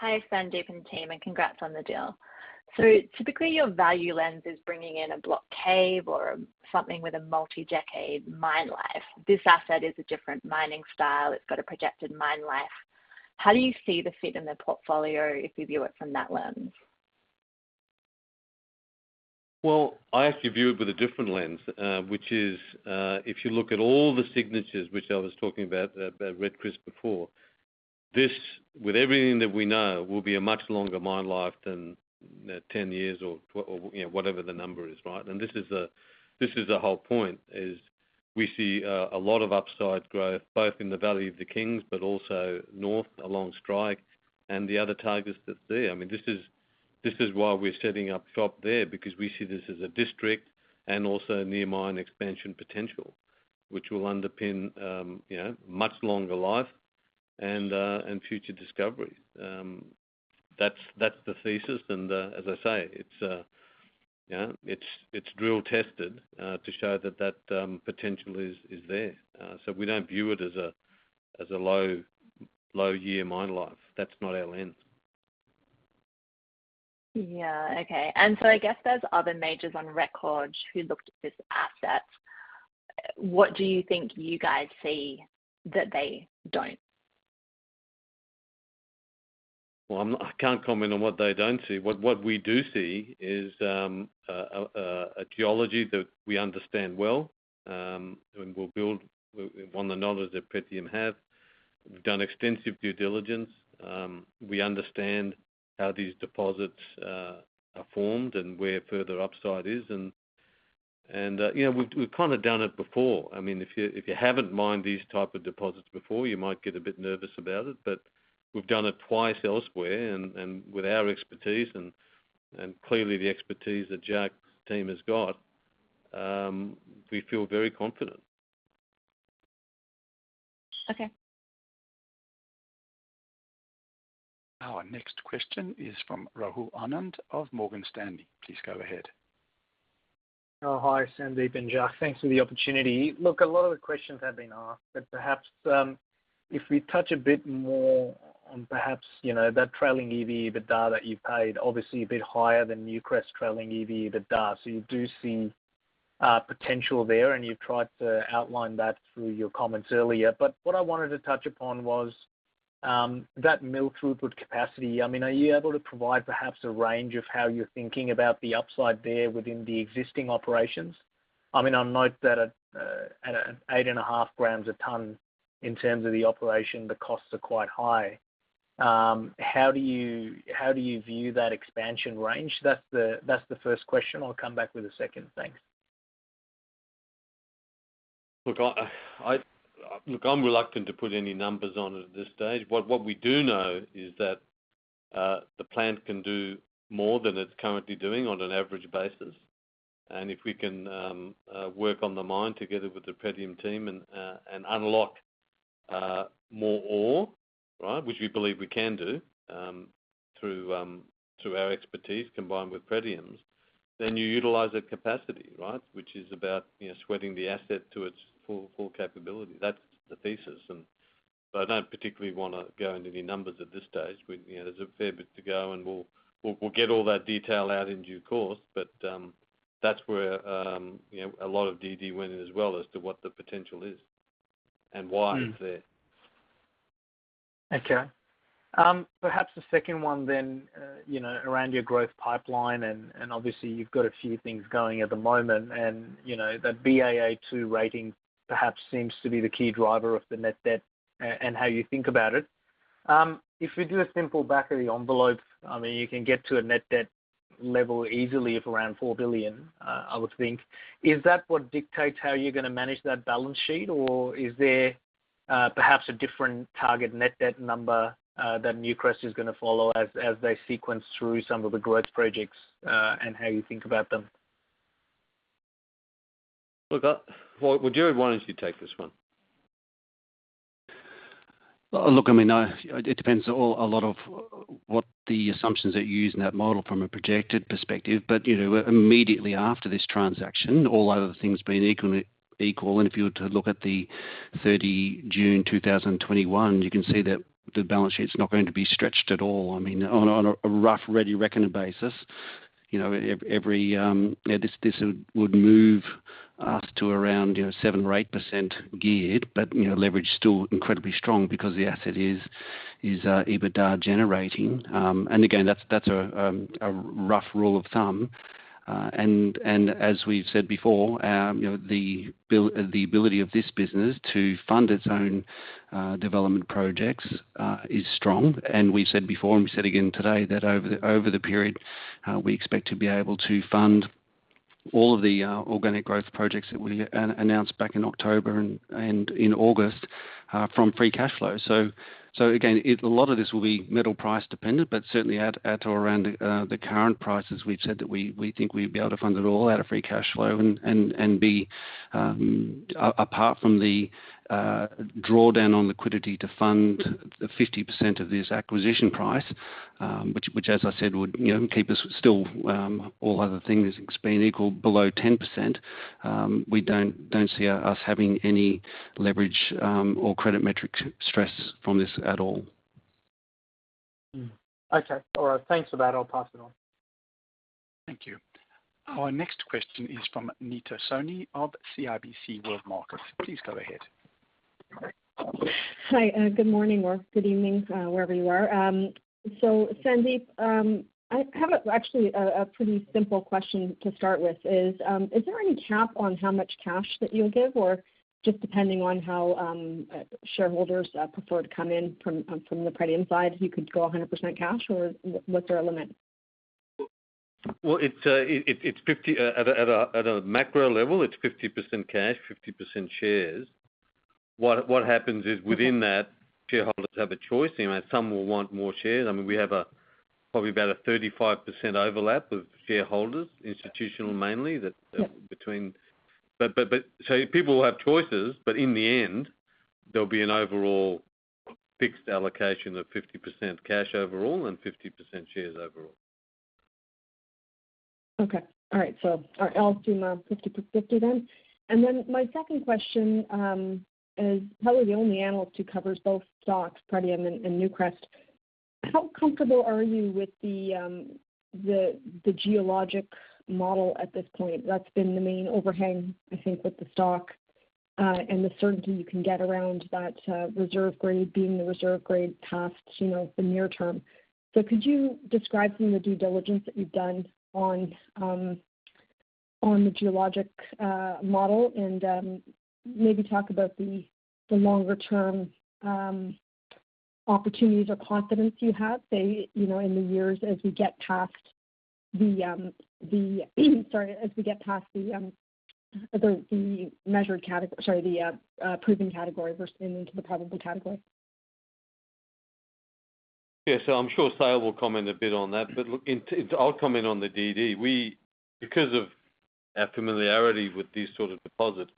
Hi, Sandeep and team, and congrats on the deal. Typically, your value lens is bringing in a block cave or something with a multi-decade mine life. This asset is a different mining style. It's got a projected mine life. How do you see the fit in the portfolio if you view it from that lens?
Well, I actually view it with a different lens, which is, if you look at all the signatures, which I was talking about at Red Chris before, this, with everything that we know, will be a much longer mine life than 10 years or, you know, whatever the number is, right? This is the whole point, is we see a lot of upside growth, both in the Valley of the Kings, but also north along strike and the other targets that's there. I mean, this is why we're setting up shop there, because we see this as a district and also near mine expansion potential, which will underpin, you know, much longer life and future discoveries. That's the thesis. As I say, it's, you know, it's drill tested to show that potential is there. We don't view it as a low year mine life. That's not our lens.
Yeah. Okay. I guess there's other majors on record who looked at this asset. What do you think you guys see that they don't?
I can't comment on what they don't see. What we do see is a geology that we understand well, and we'll build on the knowledge that Pretium have. We've done extensive due diligence. We understand how these deposits are formed and where further upside is. You know, we've kinda done it before. I mean, if you haven't mined these type of deposits before, you might get a bit nervous about it. We've done it twice elsewhere, and with our expertise and clearly the expertise that Jacques's team has got, we feel very confident.
Okay.
Our next question is from Rahul Anand of Morgan Stanley. Please go ahead.
Oh, hi, Sandeep and Jacques. Thanks for the opportunity. Look, a lot of the questions have been asked, but perhaps if we touch a bit more on perhaps, you know, that trailing EV/EBITDA that you've paid, obviously a bit higher than Newcrest trailing EV/EBITDA. So you do see potential there, and you've tried to outline that through your comments earlier. But what I wanted to touch upon was that mill throughput capacity. I mean, are you able to provide perhaps a range of how you're thinking about the upside there within the existing operations? I mean, I'll note that at 8.5 grams a ton in terms of the operation, the costs are quite high. How do you view that expansion range? That's the first question. I'll come back with a second. Thanks.
Look, I'm reluctant to put any numbers on it at this stage. What we do know is that the plant can do more than it's currently doing on an average basis. If we can work on the mine together with the Pretium team and unlock more ore, right, which we believe we can do through our expertise combined with Pretium's, then you utilize that capacity, right? Which is about, you know, sweating the asset to its full capability. That's the thesis. I don't particularly wanna go into any numbers at this stage. We, you know, there's a fair bit to go, and we'll get all that detail out in due course. That's where, you know, a lot of DD went in as well as to what the potential is and why it's there.
Okay. Perhaps the second one then, you know, around your growth pipeline, and obviously you've got a few things going at the moment. You know, that Baa2 rating perhaps seems to be the key driver of the net debt and how you think about it. If we do a simple back of the envelope, I mean, you can get to a net debt level easily of around $4 billion, I would think. Is that what dictates how you're gonna manage that balance sheet, or is there perhaps a different target net debt number that Newcrest is gonna follow as they sequence through some of the growth projects and how you think about them?
Look, well, Gerard, why don't you take this one?
Look, I mean, it depends a lot on what the assumptions that you use in that model from a projected perspective. You know, immediately after this transaction, all other things being equal, and if you were to look at the 30 June 2021, you can see that the balance sheet's not going to be stretched at all. I mean, on a rough, ready reckoner basis. You know, this would move us to around, you know, 7% or 8% geared, but, you know, leverage still incredibly strong because the asset is EBITDA generating. And again, that's a rough rule of thumb. And as we've said before, you know, the ability of this business to fund its own development projects is strong. We said before, and we said again today that over the period, we expect to be able to fund all of the organic growth projects that we announced back in October and in August from free cash flow. Again, it a lot of this will be metal price dependent, but certainly at or around the current prices, we've said that we think we'd be able to fund it all out of free cash flow and be apart from the drawdown on liquidity to fund the 50% of this acquisition price, which as I said would, you know, keep us still, all other things being equal, below 10%. We don't see us having any leverage or credit metric stress from this at all.
Mm-hmm. Okay. All right. Thanks for that. I'll pass it on.
Thank you. Our next question is from Anita Soni of CIBC World Markets. Please go ahead.
Hi, good morning or good evening, wherever you are. Sandeep, I have actually a pretty simple question to start with, is there any cap on how much cash that you'll give? Or just depending on how shareholders prefer to come in from the Pretium side, you could go 100% cash or what's our limit?
Well, it's at a macro level, it's 50% cash, 50% shares. What happens is within that, shareholders have a choice. You know, some will want more shares. I mean, we have probably about a 35% overlap of shareholders, institutional mainly that People will have choices, but in the end there'll be an overall fixed allocation of 50% cash overall and 50% shares overall.
Okay. All right. Our assumption 50%-50% then. My second question, as probably the only analyst who covers both stocks, Pretium and Newcrest, how comfortable are you with the geologic model at this point? That's been the main overhang, I think, with the stock and the certainty you can get around that reserve grade being the reserve grade past, you know, the near term. Could you describe some of the due diligence that you've done on the geologic model and maybe talk about the longer term opportunities or confidence you have, say, you know, in the years as we get past the proven category versus into the probable category?
Yeah. I'm sure Seil will comment a bit on that. Look, I'll comment on the DD. We, because of our familiarity with these sort of deposits,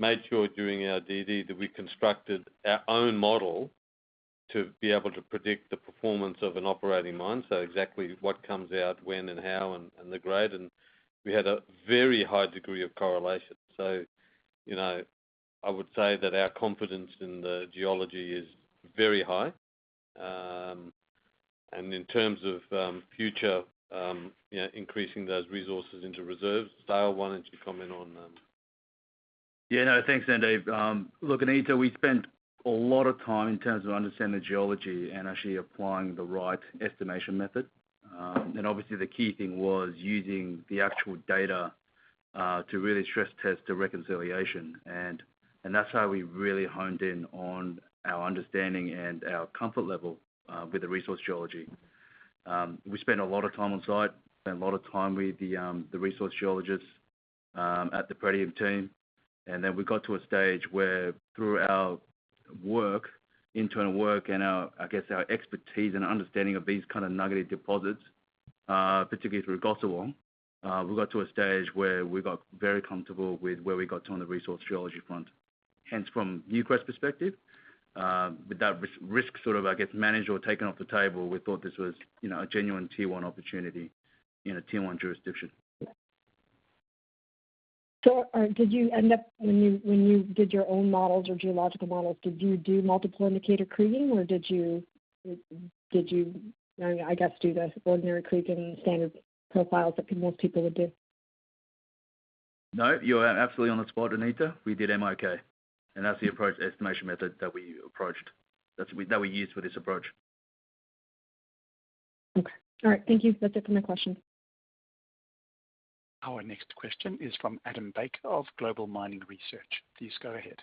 made sure during our DD that we constructed our own model to be able to predict the performance of an operating mine. Exactly what comes out when and how and the grade, and we had a very high degree of correlation. You know, I would say that our confidence in the geology is very high. In terms of future, you know, increasing those resources into reserves, Seil, why don't you comment on?
Yeah. No, thanks, Sandeep. Look, Anita, we spent a lot of time in terms of understanding the geology and actually applying the right estimation method. Obviously the key thing was using the actual data to really stress test the reconciliation. That's how we really honed in on our understanding and our comfort level with the resource geology. We spent a lot of time on site, spent a lot of time with the resource geologists at the Pretium team. Then we got to a stage where through our work, internal work and our, I guess, our expertise and understanding of these kind of nuggety deposits, particularly through Gosowong, we got to a stage where we got very comfortable with where we got to on the resource geology front. Hence, from Newcrest perspective, with that risk sort of, I guess, managed or taken off the table, we thought this was, you know, a genuine tier one opportunity in a tier 1 jurisdiction.
When you did your own models or geological models, did you do multiple indicator kriging or did you know, I guess, do the ordinary kriging standard profiles that most people would do?
No, you're absolutely on the spot, Anita. We did MIK, and that's the resource estimation method that we used for this approach.
Okay. All right. Thank you. That's it for my question.
Our next question is from Adam Baker of Global Mining Research. Please go ahead.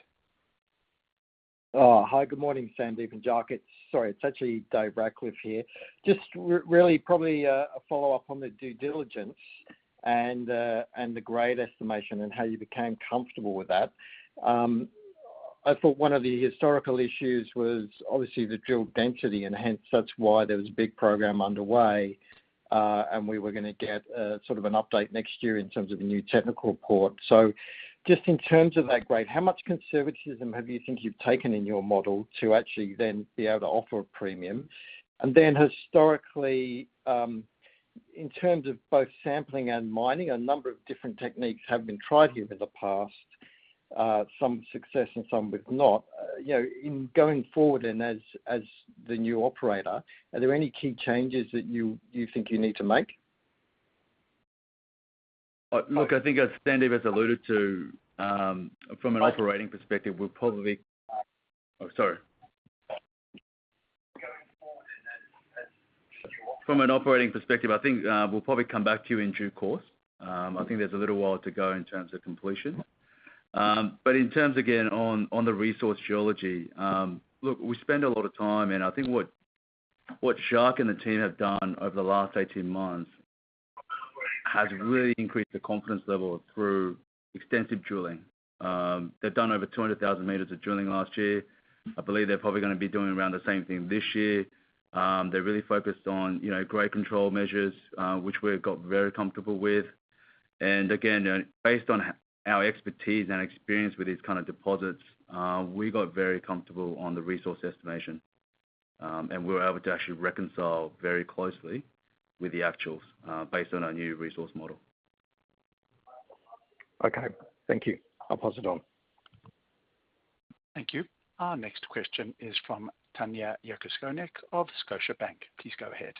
Oh, hi. Good morning, Sandeep and Jacques. It's sorry, it's actually David Radclyffe here. Just really probably a follow-up on the due diligence and the grade estimation and how you became comfortable with that. I thought one of the historical issues was obviously the drill density and hence that's why there was a big program underway, and we were gonna get sort of an update next year in terms of a new technical report. Just in terms of that grade, how much conservatism have you think you've taken in your model to actually then be able to offer a premium? And then historically, in terms of both sampling and mining, a number of different techniques have been tried here in the past. Some success and some without. You know, going forward and as the new operator, are there any key changes that you think you need to make?
Look, I think as Sandeep has alluded to. Oh, sorry.
From an operating perspective, I think we'll probably come back to you in due course. I think there's a little while to go in terms of completion. In terms again on the resource geology, look, we spend a lot of time, and I think what Jacques and the team have done over the last 18 months has really increased the confidence level through extensive drilling. They've done over 200,000 meters of drilling last year. I believe they're probably gonna be doing around the same thing this year. They're really focused on, you know, grade control measures, which we've got very comfortable with. Again, you know, based on our expertise and experience with these kind of deposits, we got very comfortable on the resource estimation, and we were able to actually reconcile very closely with the actuals, based on our new resource model.
Okay. Thank you. I'll pass it on.
Thank you. Our next question is from Tanya Jakusconek of Scotiabank. Please go ahead.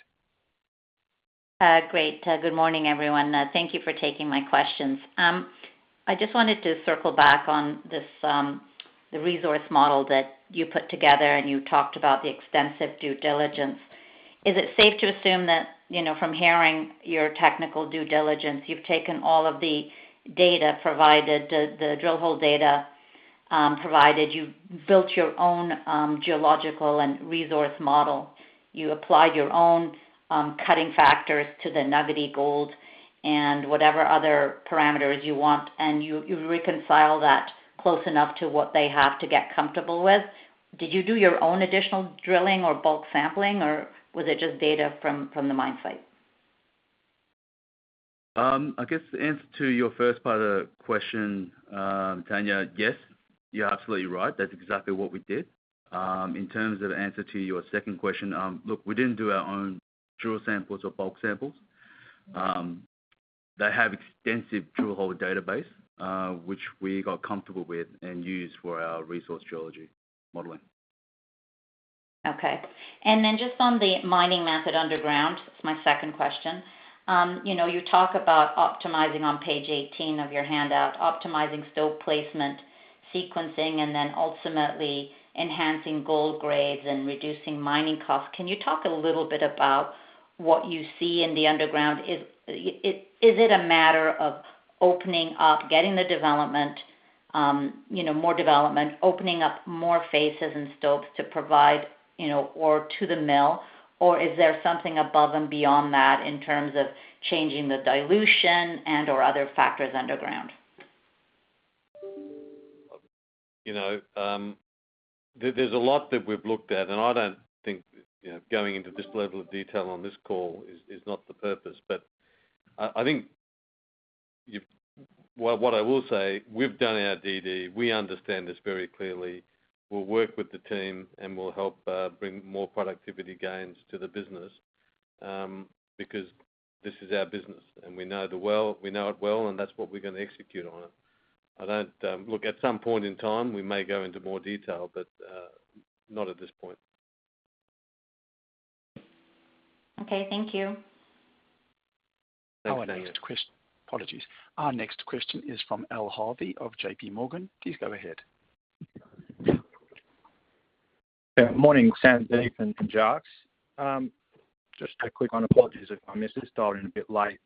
Great. Good morning, everyone. Thank you for taking my questions. I just wanted to circle back on this, the resource model that you put together, and you talked about the extensive due diligence. Is it safe to assume that, you know, from hearing your technical due diligence, you've taken all of the data provided, the drill hole data provided. You've built your own geological and resource model. You applied your own cutting factors to the nuggety gold and whatever other parameters you want, and you reconcile that close enough to what they have to get comfortable with. Did you do your own additional drilling or bulk sampling, or was it just data from the mine site?
I guess the answer to your first part of the question, Tanya, yes, you're absolutely right. That's exactly what we did. In terms of the answer to your second question, look, we didn't do our own drill samples or bulk samples. They have extensive drill hole database, which we got comfortable with and used for our resource geology modeling.
Okay. Just on the mining method underground, that's my second question. You know, you talk about optimizing on page 18 of your handout, optimizing stope placement, sequencing, and then ultimately enhancing gold grades and reducing mining costs. Can you talk a little bit about what you see in the underground? Is it a matter of opening up, getting the development, you know, more development, opening up more faces and stopes to provide, you know, ore to the mill? Or is there something above and beyond that in terms of changing the dilution and/or other factors underground?
You know, there's a lot that we've looked at, and I don't think going into this level of detail on this call is not the purpose. What I will say, we've done our DD. We understand this very clearly. We'll work with the team, and we'll help bring more productivity gains to the business, because this is our business, and we know it well, and that's what we're gonna execute on it. Look, at some point in time, we may go into more detail, but not at this point.
Okay, thank you.
Apologies. Our next question is from Al Harvey of JPMorgan. Please go ahead.
Yeah. Morning, Sandeep and Jacques. Just a quick one. Apologies if I missed this. Dialed in a bit late.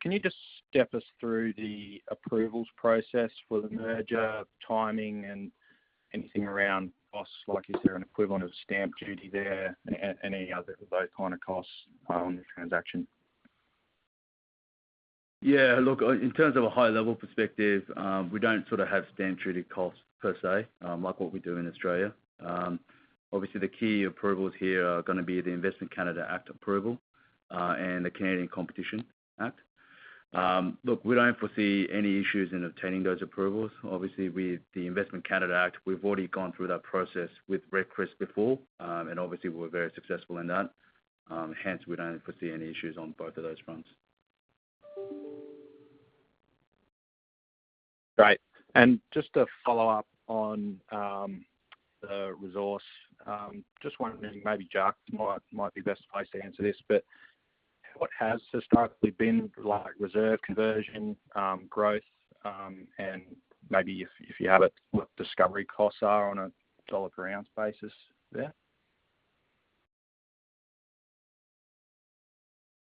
Can you just step us through the approvals process for the merger, timing and anything around costs? Like, is there an equivalent of stamp duty there? Any other of those kind of costs on the transaction?
Yeah. Look, in terms of a high-level perspective, we don't sort of have stamp duty costs per se, like what we do in Australia. Obviously, the key approvals here are gonna be the Investment Canada Act approval, and the Canadian Competition Act. Look, we don't foresee any issues in obtaining those approvals. Obviously, with the Investment Canada Act, we've already gone through that process with Red Chris before, and obviously, we're very successful in that. Hence, we don't foresee any issues on both of those fronts.
Great. Just to follow up on the resource, just wondering, maybe Jacques might be best placed to answer this, but what has historically been, like, reserve conversion, growth, and maybe if you have it, what discovery costs are on a dollar ground basis there?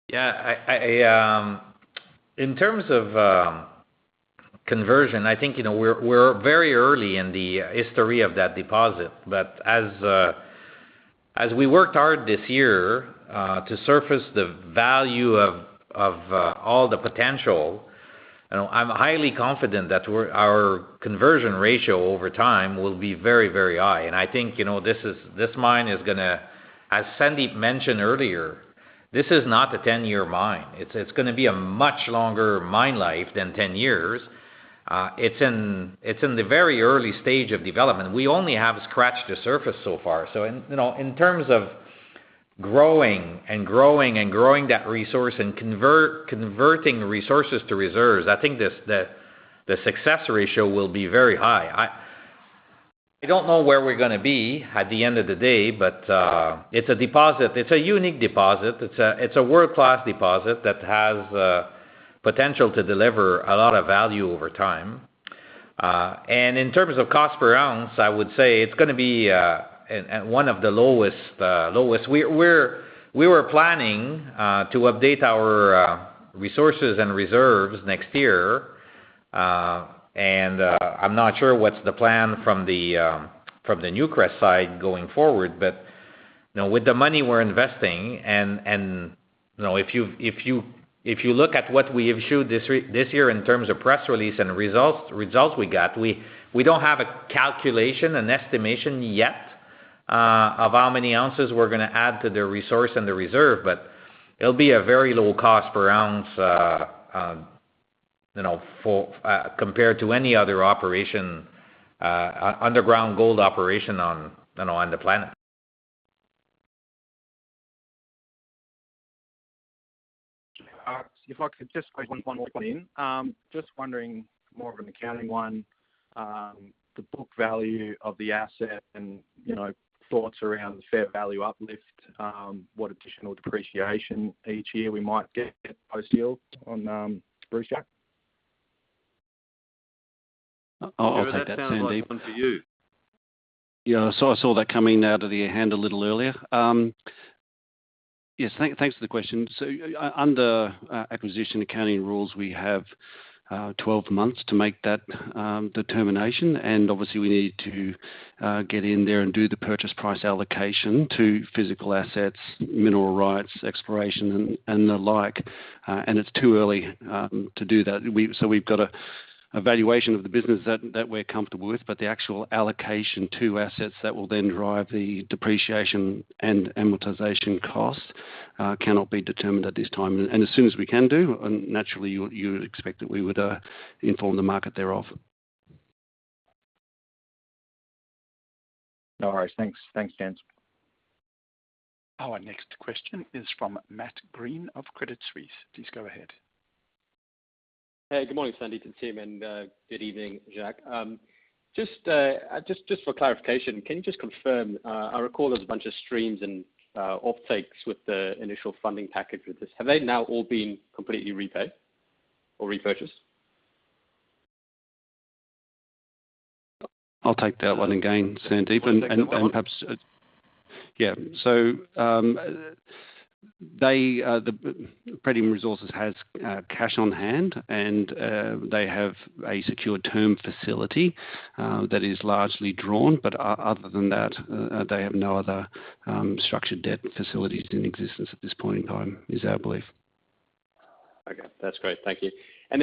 Yeah. I in terms of conversion, I think, you know, we're very early in the history of that deposit. As we worked hard this year to surface the value of all the potential, you know, I'm highly confident that our conversion ratio over time will be very high. I think, you know, this mine is gonna, as Sandeep mentioned earlier, this is not a 10-year mine. It's gonna be a much longer mine life than 10 years. It's in the very early stage of development. We only have scratched the surface so far. You know, in terms of growing and growing and growing that resource and converting resources to reserves, I think this the success ratio will be very high. I don't know where we're gonna be at the end of the day, but it's a deposit. It's a unique deposit. It's a world-class deposit that has potential to deliver a lot of value over time. In terms of cost per ounce, I would say it's gonna be at one of the lowest. We were planning to update our resources and reserves next year. I'm not sure what's the plan from the Newcrest side going forward. You know, with the money we're investing and you know, if you look at what we issued this year in terms of press release and results we got, we don't have a calculation, an estimation yet of how many ounces we're gonna add to the resource and the reserve, but it'll be a very low cost per ounce you know, compared to any other operation, underground gold operation on you know, on the planet.
If I could just squeeze one more in. Just wondering more of an accounting one, the book value of the asset and, you know, thoughts around fair value uplift, what additional depreciation each year we might get post deal on, Brucejack.
I'll take that, Sandeep.
That sounds like one for you.
Yeah, I saw that coming out of your hand a little earlier. Yes, thanks for the question. Under acquisition accounting rules, we have 12 months to make that determination, and obviously, we need to get in there and do the purchase price allocation to physical assets, mineral rights, exploration, and the like. It's too early to do that. We've got a valuation of the business that we're comfortable with, but the actual allocation to assets that will then drive the depreciation and amortization costs cannot be determined at this time. As soon as we can do, naturally, you would expect that we would inform the market thereof.
No worries. Thanks. Thanks, guys.
Our next question is from Matt Greene of Credit Suisse. Please go ahead.
Hey, good morning, Sandeep and team, and good evening, Jacques. Just for clarification, can you just confirm? I recall there's a bunch of streams and offtakes with the initial funding package with this. Have they now all been completely repaid or repurchased?
I'll take that one again, Sandeep. The Pretium Resources has cash on hand, and they have a secure term facility that is largely drawn. Other than that, they have no other structured debt facilities in existence at this point in time, is our belief.
Okay. That's great. Thank you.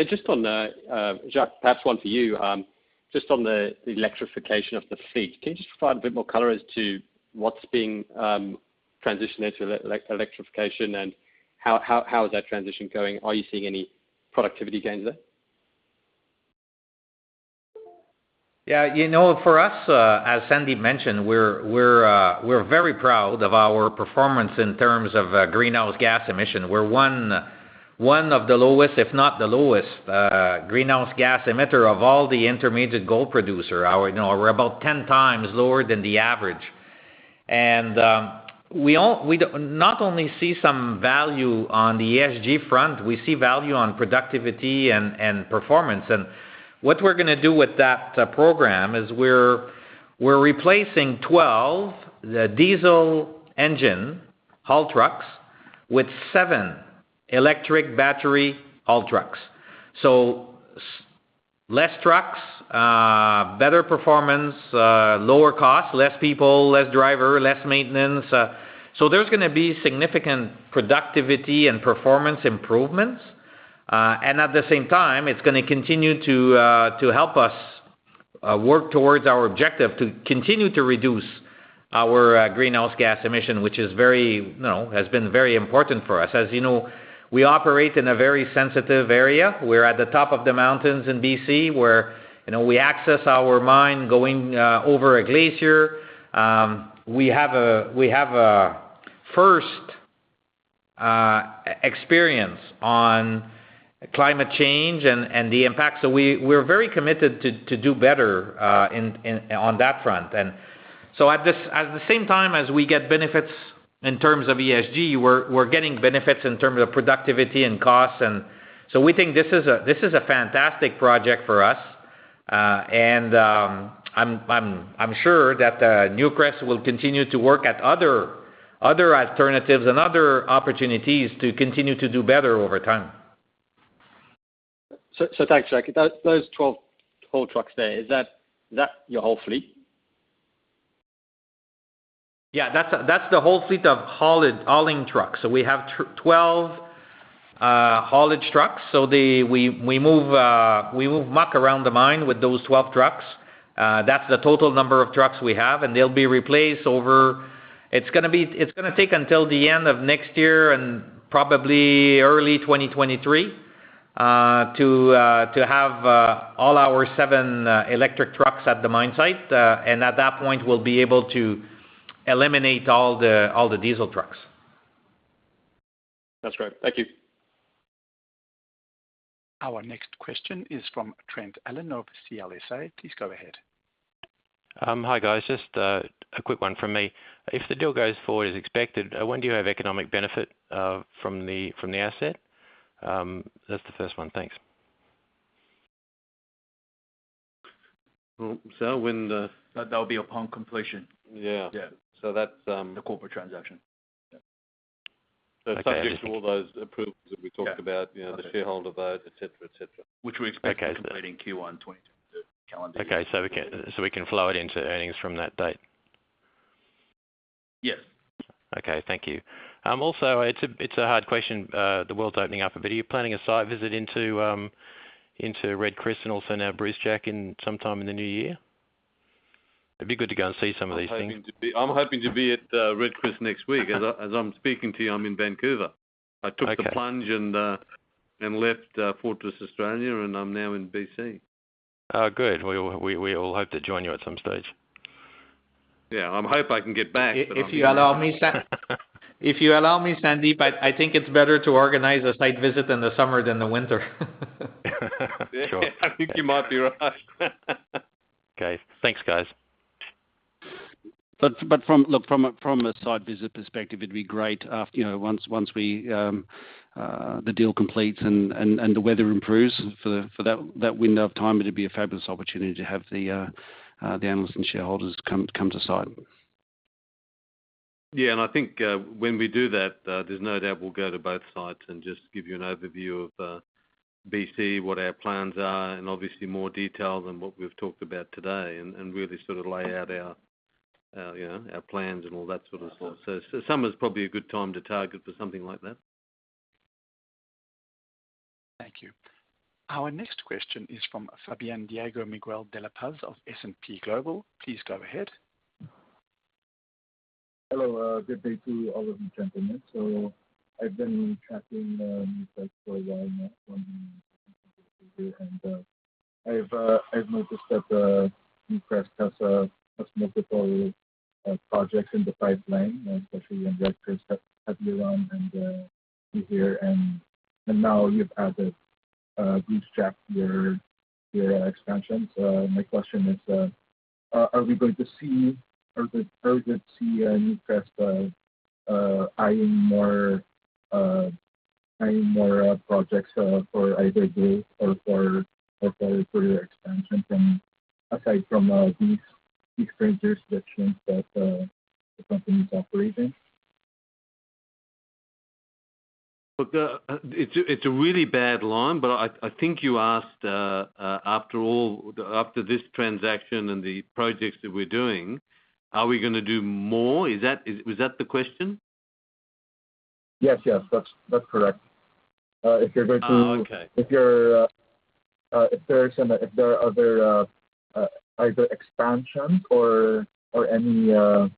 Just on the Jacques, perhaps one for you. Just on the electrification of the fleet, can you just provide a bit more color as to what's being transitioned into electrification, and how is that transition going? Are you seeing any productivity gains there?
Yeah. You know, for us, as Sandeep mentioned, we're very proud of our performance in terms of greenhouse gas emission. We're one of the lowest, if not the lowest, greenhouse gas emitter of all the intermediate gold producer. You know, we're about 10x lower than the average. We not only see some value on the ESG front, we see value on productivity and performance. What we're gonna do with that program is we're replacing 12 diesel engine haul trucks with seven electric battery haul trucks. Less trucks, better performance, lower cost, less people, less driver, less maintenance. So there's gonna be significant productivity and performance improvements. At the same time, it's gonna continue to help us work towards our objective to continue to reduce our greenhouse gas emission, which is very, you know, has been very important for us. As you know, we operate in a very sensitive area. We're at the top of the mountains in DC, where, you know, we access our mine going over a glacier. We have a first-hand experience on climate change and the impact. We're very committed to do better on that front. At the same time as we get benefits in terms of ESG, we're getting benefits in terms of productivity and costs. We think this is a fantastic project for us. I'm sure that Newcrest will continue to work at other alternatives and other opportunities to continue to do better over time.
Thanks, Jacques. Those 12 haul trucks there, is that your whole fleet?
Yeah, that's the whole fleet of haulage, hauling trucks. We have 12 haulage trucks. We move muck around the mine with those 12 trucks. That's the total number of trucks we have, and they'll be replaced. It's gonna take until the end of next year and probably early 2023 to have all our seven electric trucks at the mine site. At that point, we'll be able to eliminate all the diesel trucks.
That's great. Thank you.
Our next question is from Trent Allen of CLSA. Please go ahead.
Hi, guys. Just a quick one from me. If the deal goes forward as expected, when do you have economic benefit from the asset? That's the first one. Thanks.
Well, when the That, that'll be upon completion.
Yeah.
Yeah.
That's The corporate transaction. Yeah. Subject to all those approvals that we talked about.
Yeah.
You know, the shareholder vote, et cetera, et cetera.
Okay.
Which we expect to complete in Q1 2023 calendar year.
Okay. We can flow it into earnings from that date?
Yes.
Okay, thank you. Also it's a hard question. The world's opening up a bit. Are you planning a site visit into Red Chris and also now Brucejack in some time in the new year? It'd be good to go and see some of these things.
I'm hoping to be at Red Chris next week. As I'm speaking to you, I'm in Vancouver.
Okay.
I took the plunge and left Fortress Australia, and I'm now in BC.
Oh, good. We all hope to join you at some stage.
Yeah. I hope I can get back.
If you allow me, Sandeep, I think it's better to organize a site visit in the summer than the winter.
Sure.
I think you might be right.
Okay. Thanks, guys. From a site visit perspective, it'd be great, you know, once the deal completes and the weather improves for that window of time, it'd be a fabulous opportunity to have the analysts and shareholders come to site.
Yeah. I think when we do that, there's no doubt we'll go to both sites and just give you an overview of BC, what our plans are, and obviously more detail than what we've talked about today, and really sort of lay out our, you know, our plans and all that sort of stuff. So summer's probably a good time to target for something like that.
Thank you. Our next question is from Fabian Diego Miguel de la Paz of S&P Global. Please go ahead.
Hello. Good day to all of you, gentlemen. I've been tracking Newcrest for a while now, more than I've noticed that Newcrest has multiple projects in the pipeline, especially in Red Chris, Havieron and Wafi-Golpu that have you on and behind. Now you've added Brucejack, your expansion. My question is, are we going to see or could see Newcrest eyeing more projects for either growth or for further expansion aside from these projects that shows that the company is operating?
Look, it's a really bad line, but I think you asked, after all, after this transaction and the projects that we're doing, are we gonna do more? Is that, was that the question?
Yes. That's correct. If you're going to
Oh, okay.
If there are other expansion or growth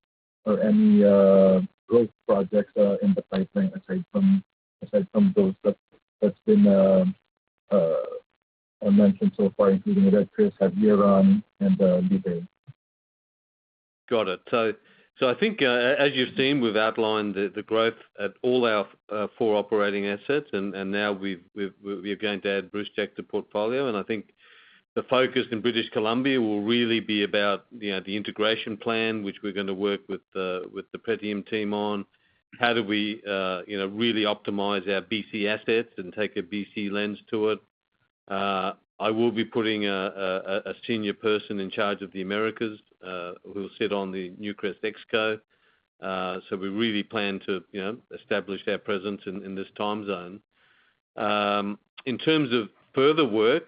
projects in the pipeline aside from those that have been mentioned so far, including Red Chris, Havieron, and Wafi-Golpu?
Got it. I think, as you've seen, we've outlined the growth at all our four operating assets. Now we're going to add Brucejack to portfolio. I think the focus in British Columbia will really be about, you know, the integration plan, which we're gonna work with the Pretium team on. How do we, you know, really optimize our BC assets and take a BC lens to it? I will be putting a senior person in charge of the Americas, who will sit on the Newcrest ExCo. So we really plan to, you know, establish our presence in this time zone. In terms of further work,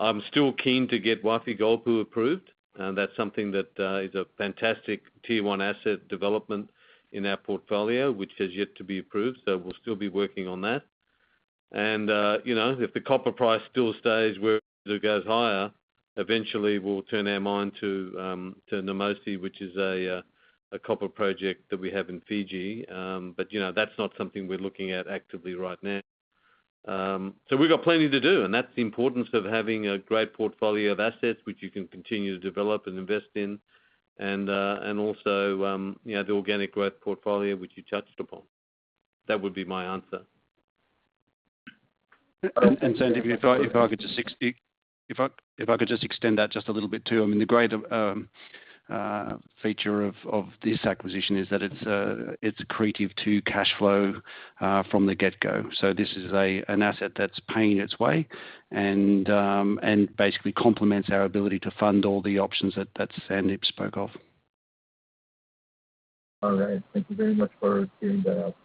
I'm still keen to get Wafi-Golpu approved. That's something that is a fantastic tier one asset development in our portfolio, which has yet to be approved. We'll still be working on that. You know, if the copper price still stays where it goes higher, eventually we'll turn our mind to Namosi, which is a copper project that we have in Fiji. You know, that's not something we're looking at actively right now. We've got plenty to do, and that's the importance of having a great portfolio of assets which you can continue to develop and invest in and also, you know, the organic growth portfolio which you touched upon. That would be my answer.
Sandeep, if I could just extend that just a little bit too. I mean, the great feature of this acquisition is that it's accretive to cash flow from the get-go. This is an asset that's paying its way and basically complements our ability to fund all the options that Sandeep spoke of.
All right. Thank you very much for clearing that up.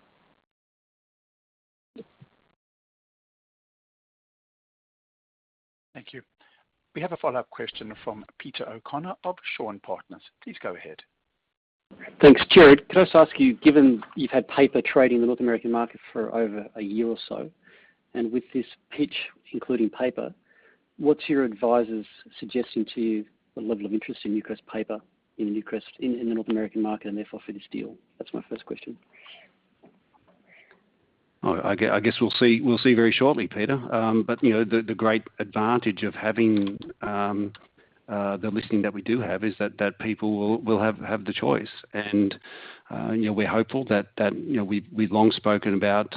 Thank you. We have a follow-up question from Peter O'Connor of Shaw and Partners. Please go ahead.
Thanks. Gerard, can I just ask you, given you've had paper trading in the North American market for over a year or so, and with this pitch, including paper What's your advisors suggesting to you the level of interest in Newcrest paper in Newcrest in the North American market and therefore for this deal? That's my first question.
I guess we'll see very shortly, Peter. You know, the great advantage of having the listing that we do have is that people will have the choice. You know, we're hopeful that you know, we've long spoken about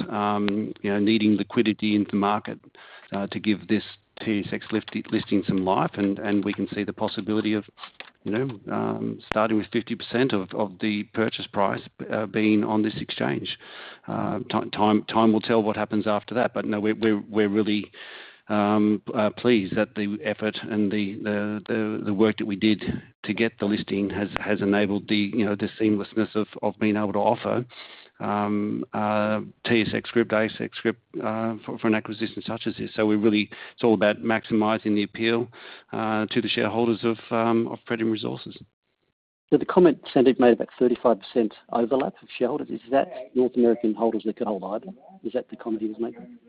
needing liquidity into market to give this TSX listing some life. We can see the possibility of starting with 50% of the purchase price being on this exchange. Time will tell what happens after that. No, we're really pleased that the effort and the work that we did to get the listing has enabled, you know, the seamlessness of being able to offer TSX and ASX for an acquisition such as this. It's all about maximizing the appeal to the shareholders of Pretium Resources.
The comment Sandeep made about 35% overlap of shareholders, is that North American holders that could hold either? Is that the comment he was making?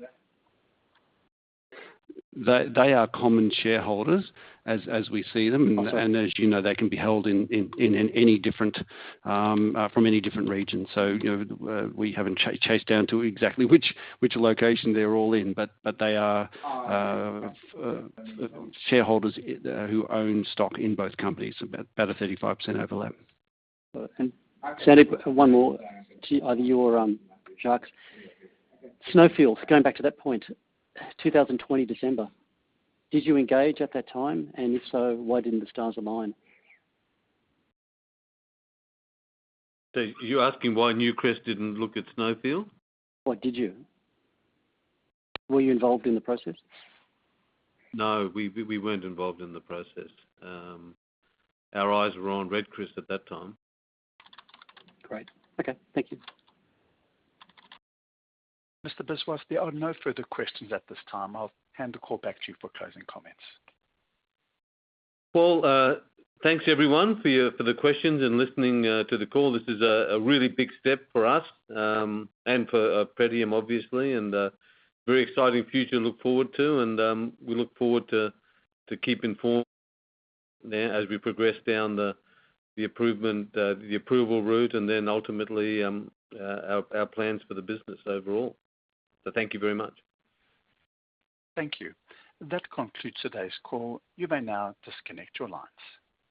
They are common shareholders as we see them.
I see.
As you know, they can be held in any different from any different region. You know, we haven't chased down to exactly which location they're all in, but they are shareholders who own stock in both companies, about a 35% overlap.
Sandeep, one more to either you or Jacques. Snowfield, going back to that point, 2020 December, did you engage at that time? If so, why didn't the stars align?
Are you asking why Newcrest didn't look at Snowfield?
Well, did you? Were you involved in the process?
No, we weren't involved in the process. Our eyes were on Red Chris at that time.
Great. Okay. Thank you.
Mr. Biswas, there are no further questions at this time. I'll hand the call back to you for closing comments.
Well, thanks everyone for the questions and listening to the call. This is a really big step for us, and for Pretium obviously, and very exciting future to look forward to. We look forward to keep informed as we progress down the approval route and then ultimately our plans for the business overall. Thank you very much.
Thank you. That concludes today's call. You may now disconnect your lines.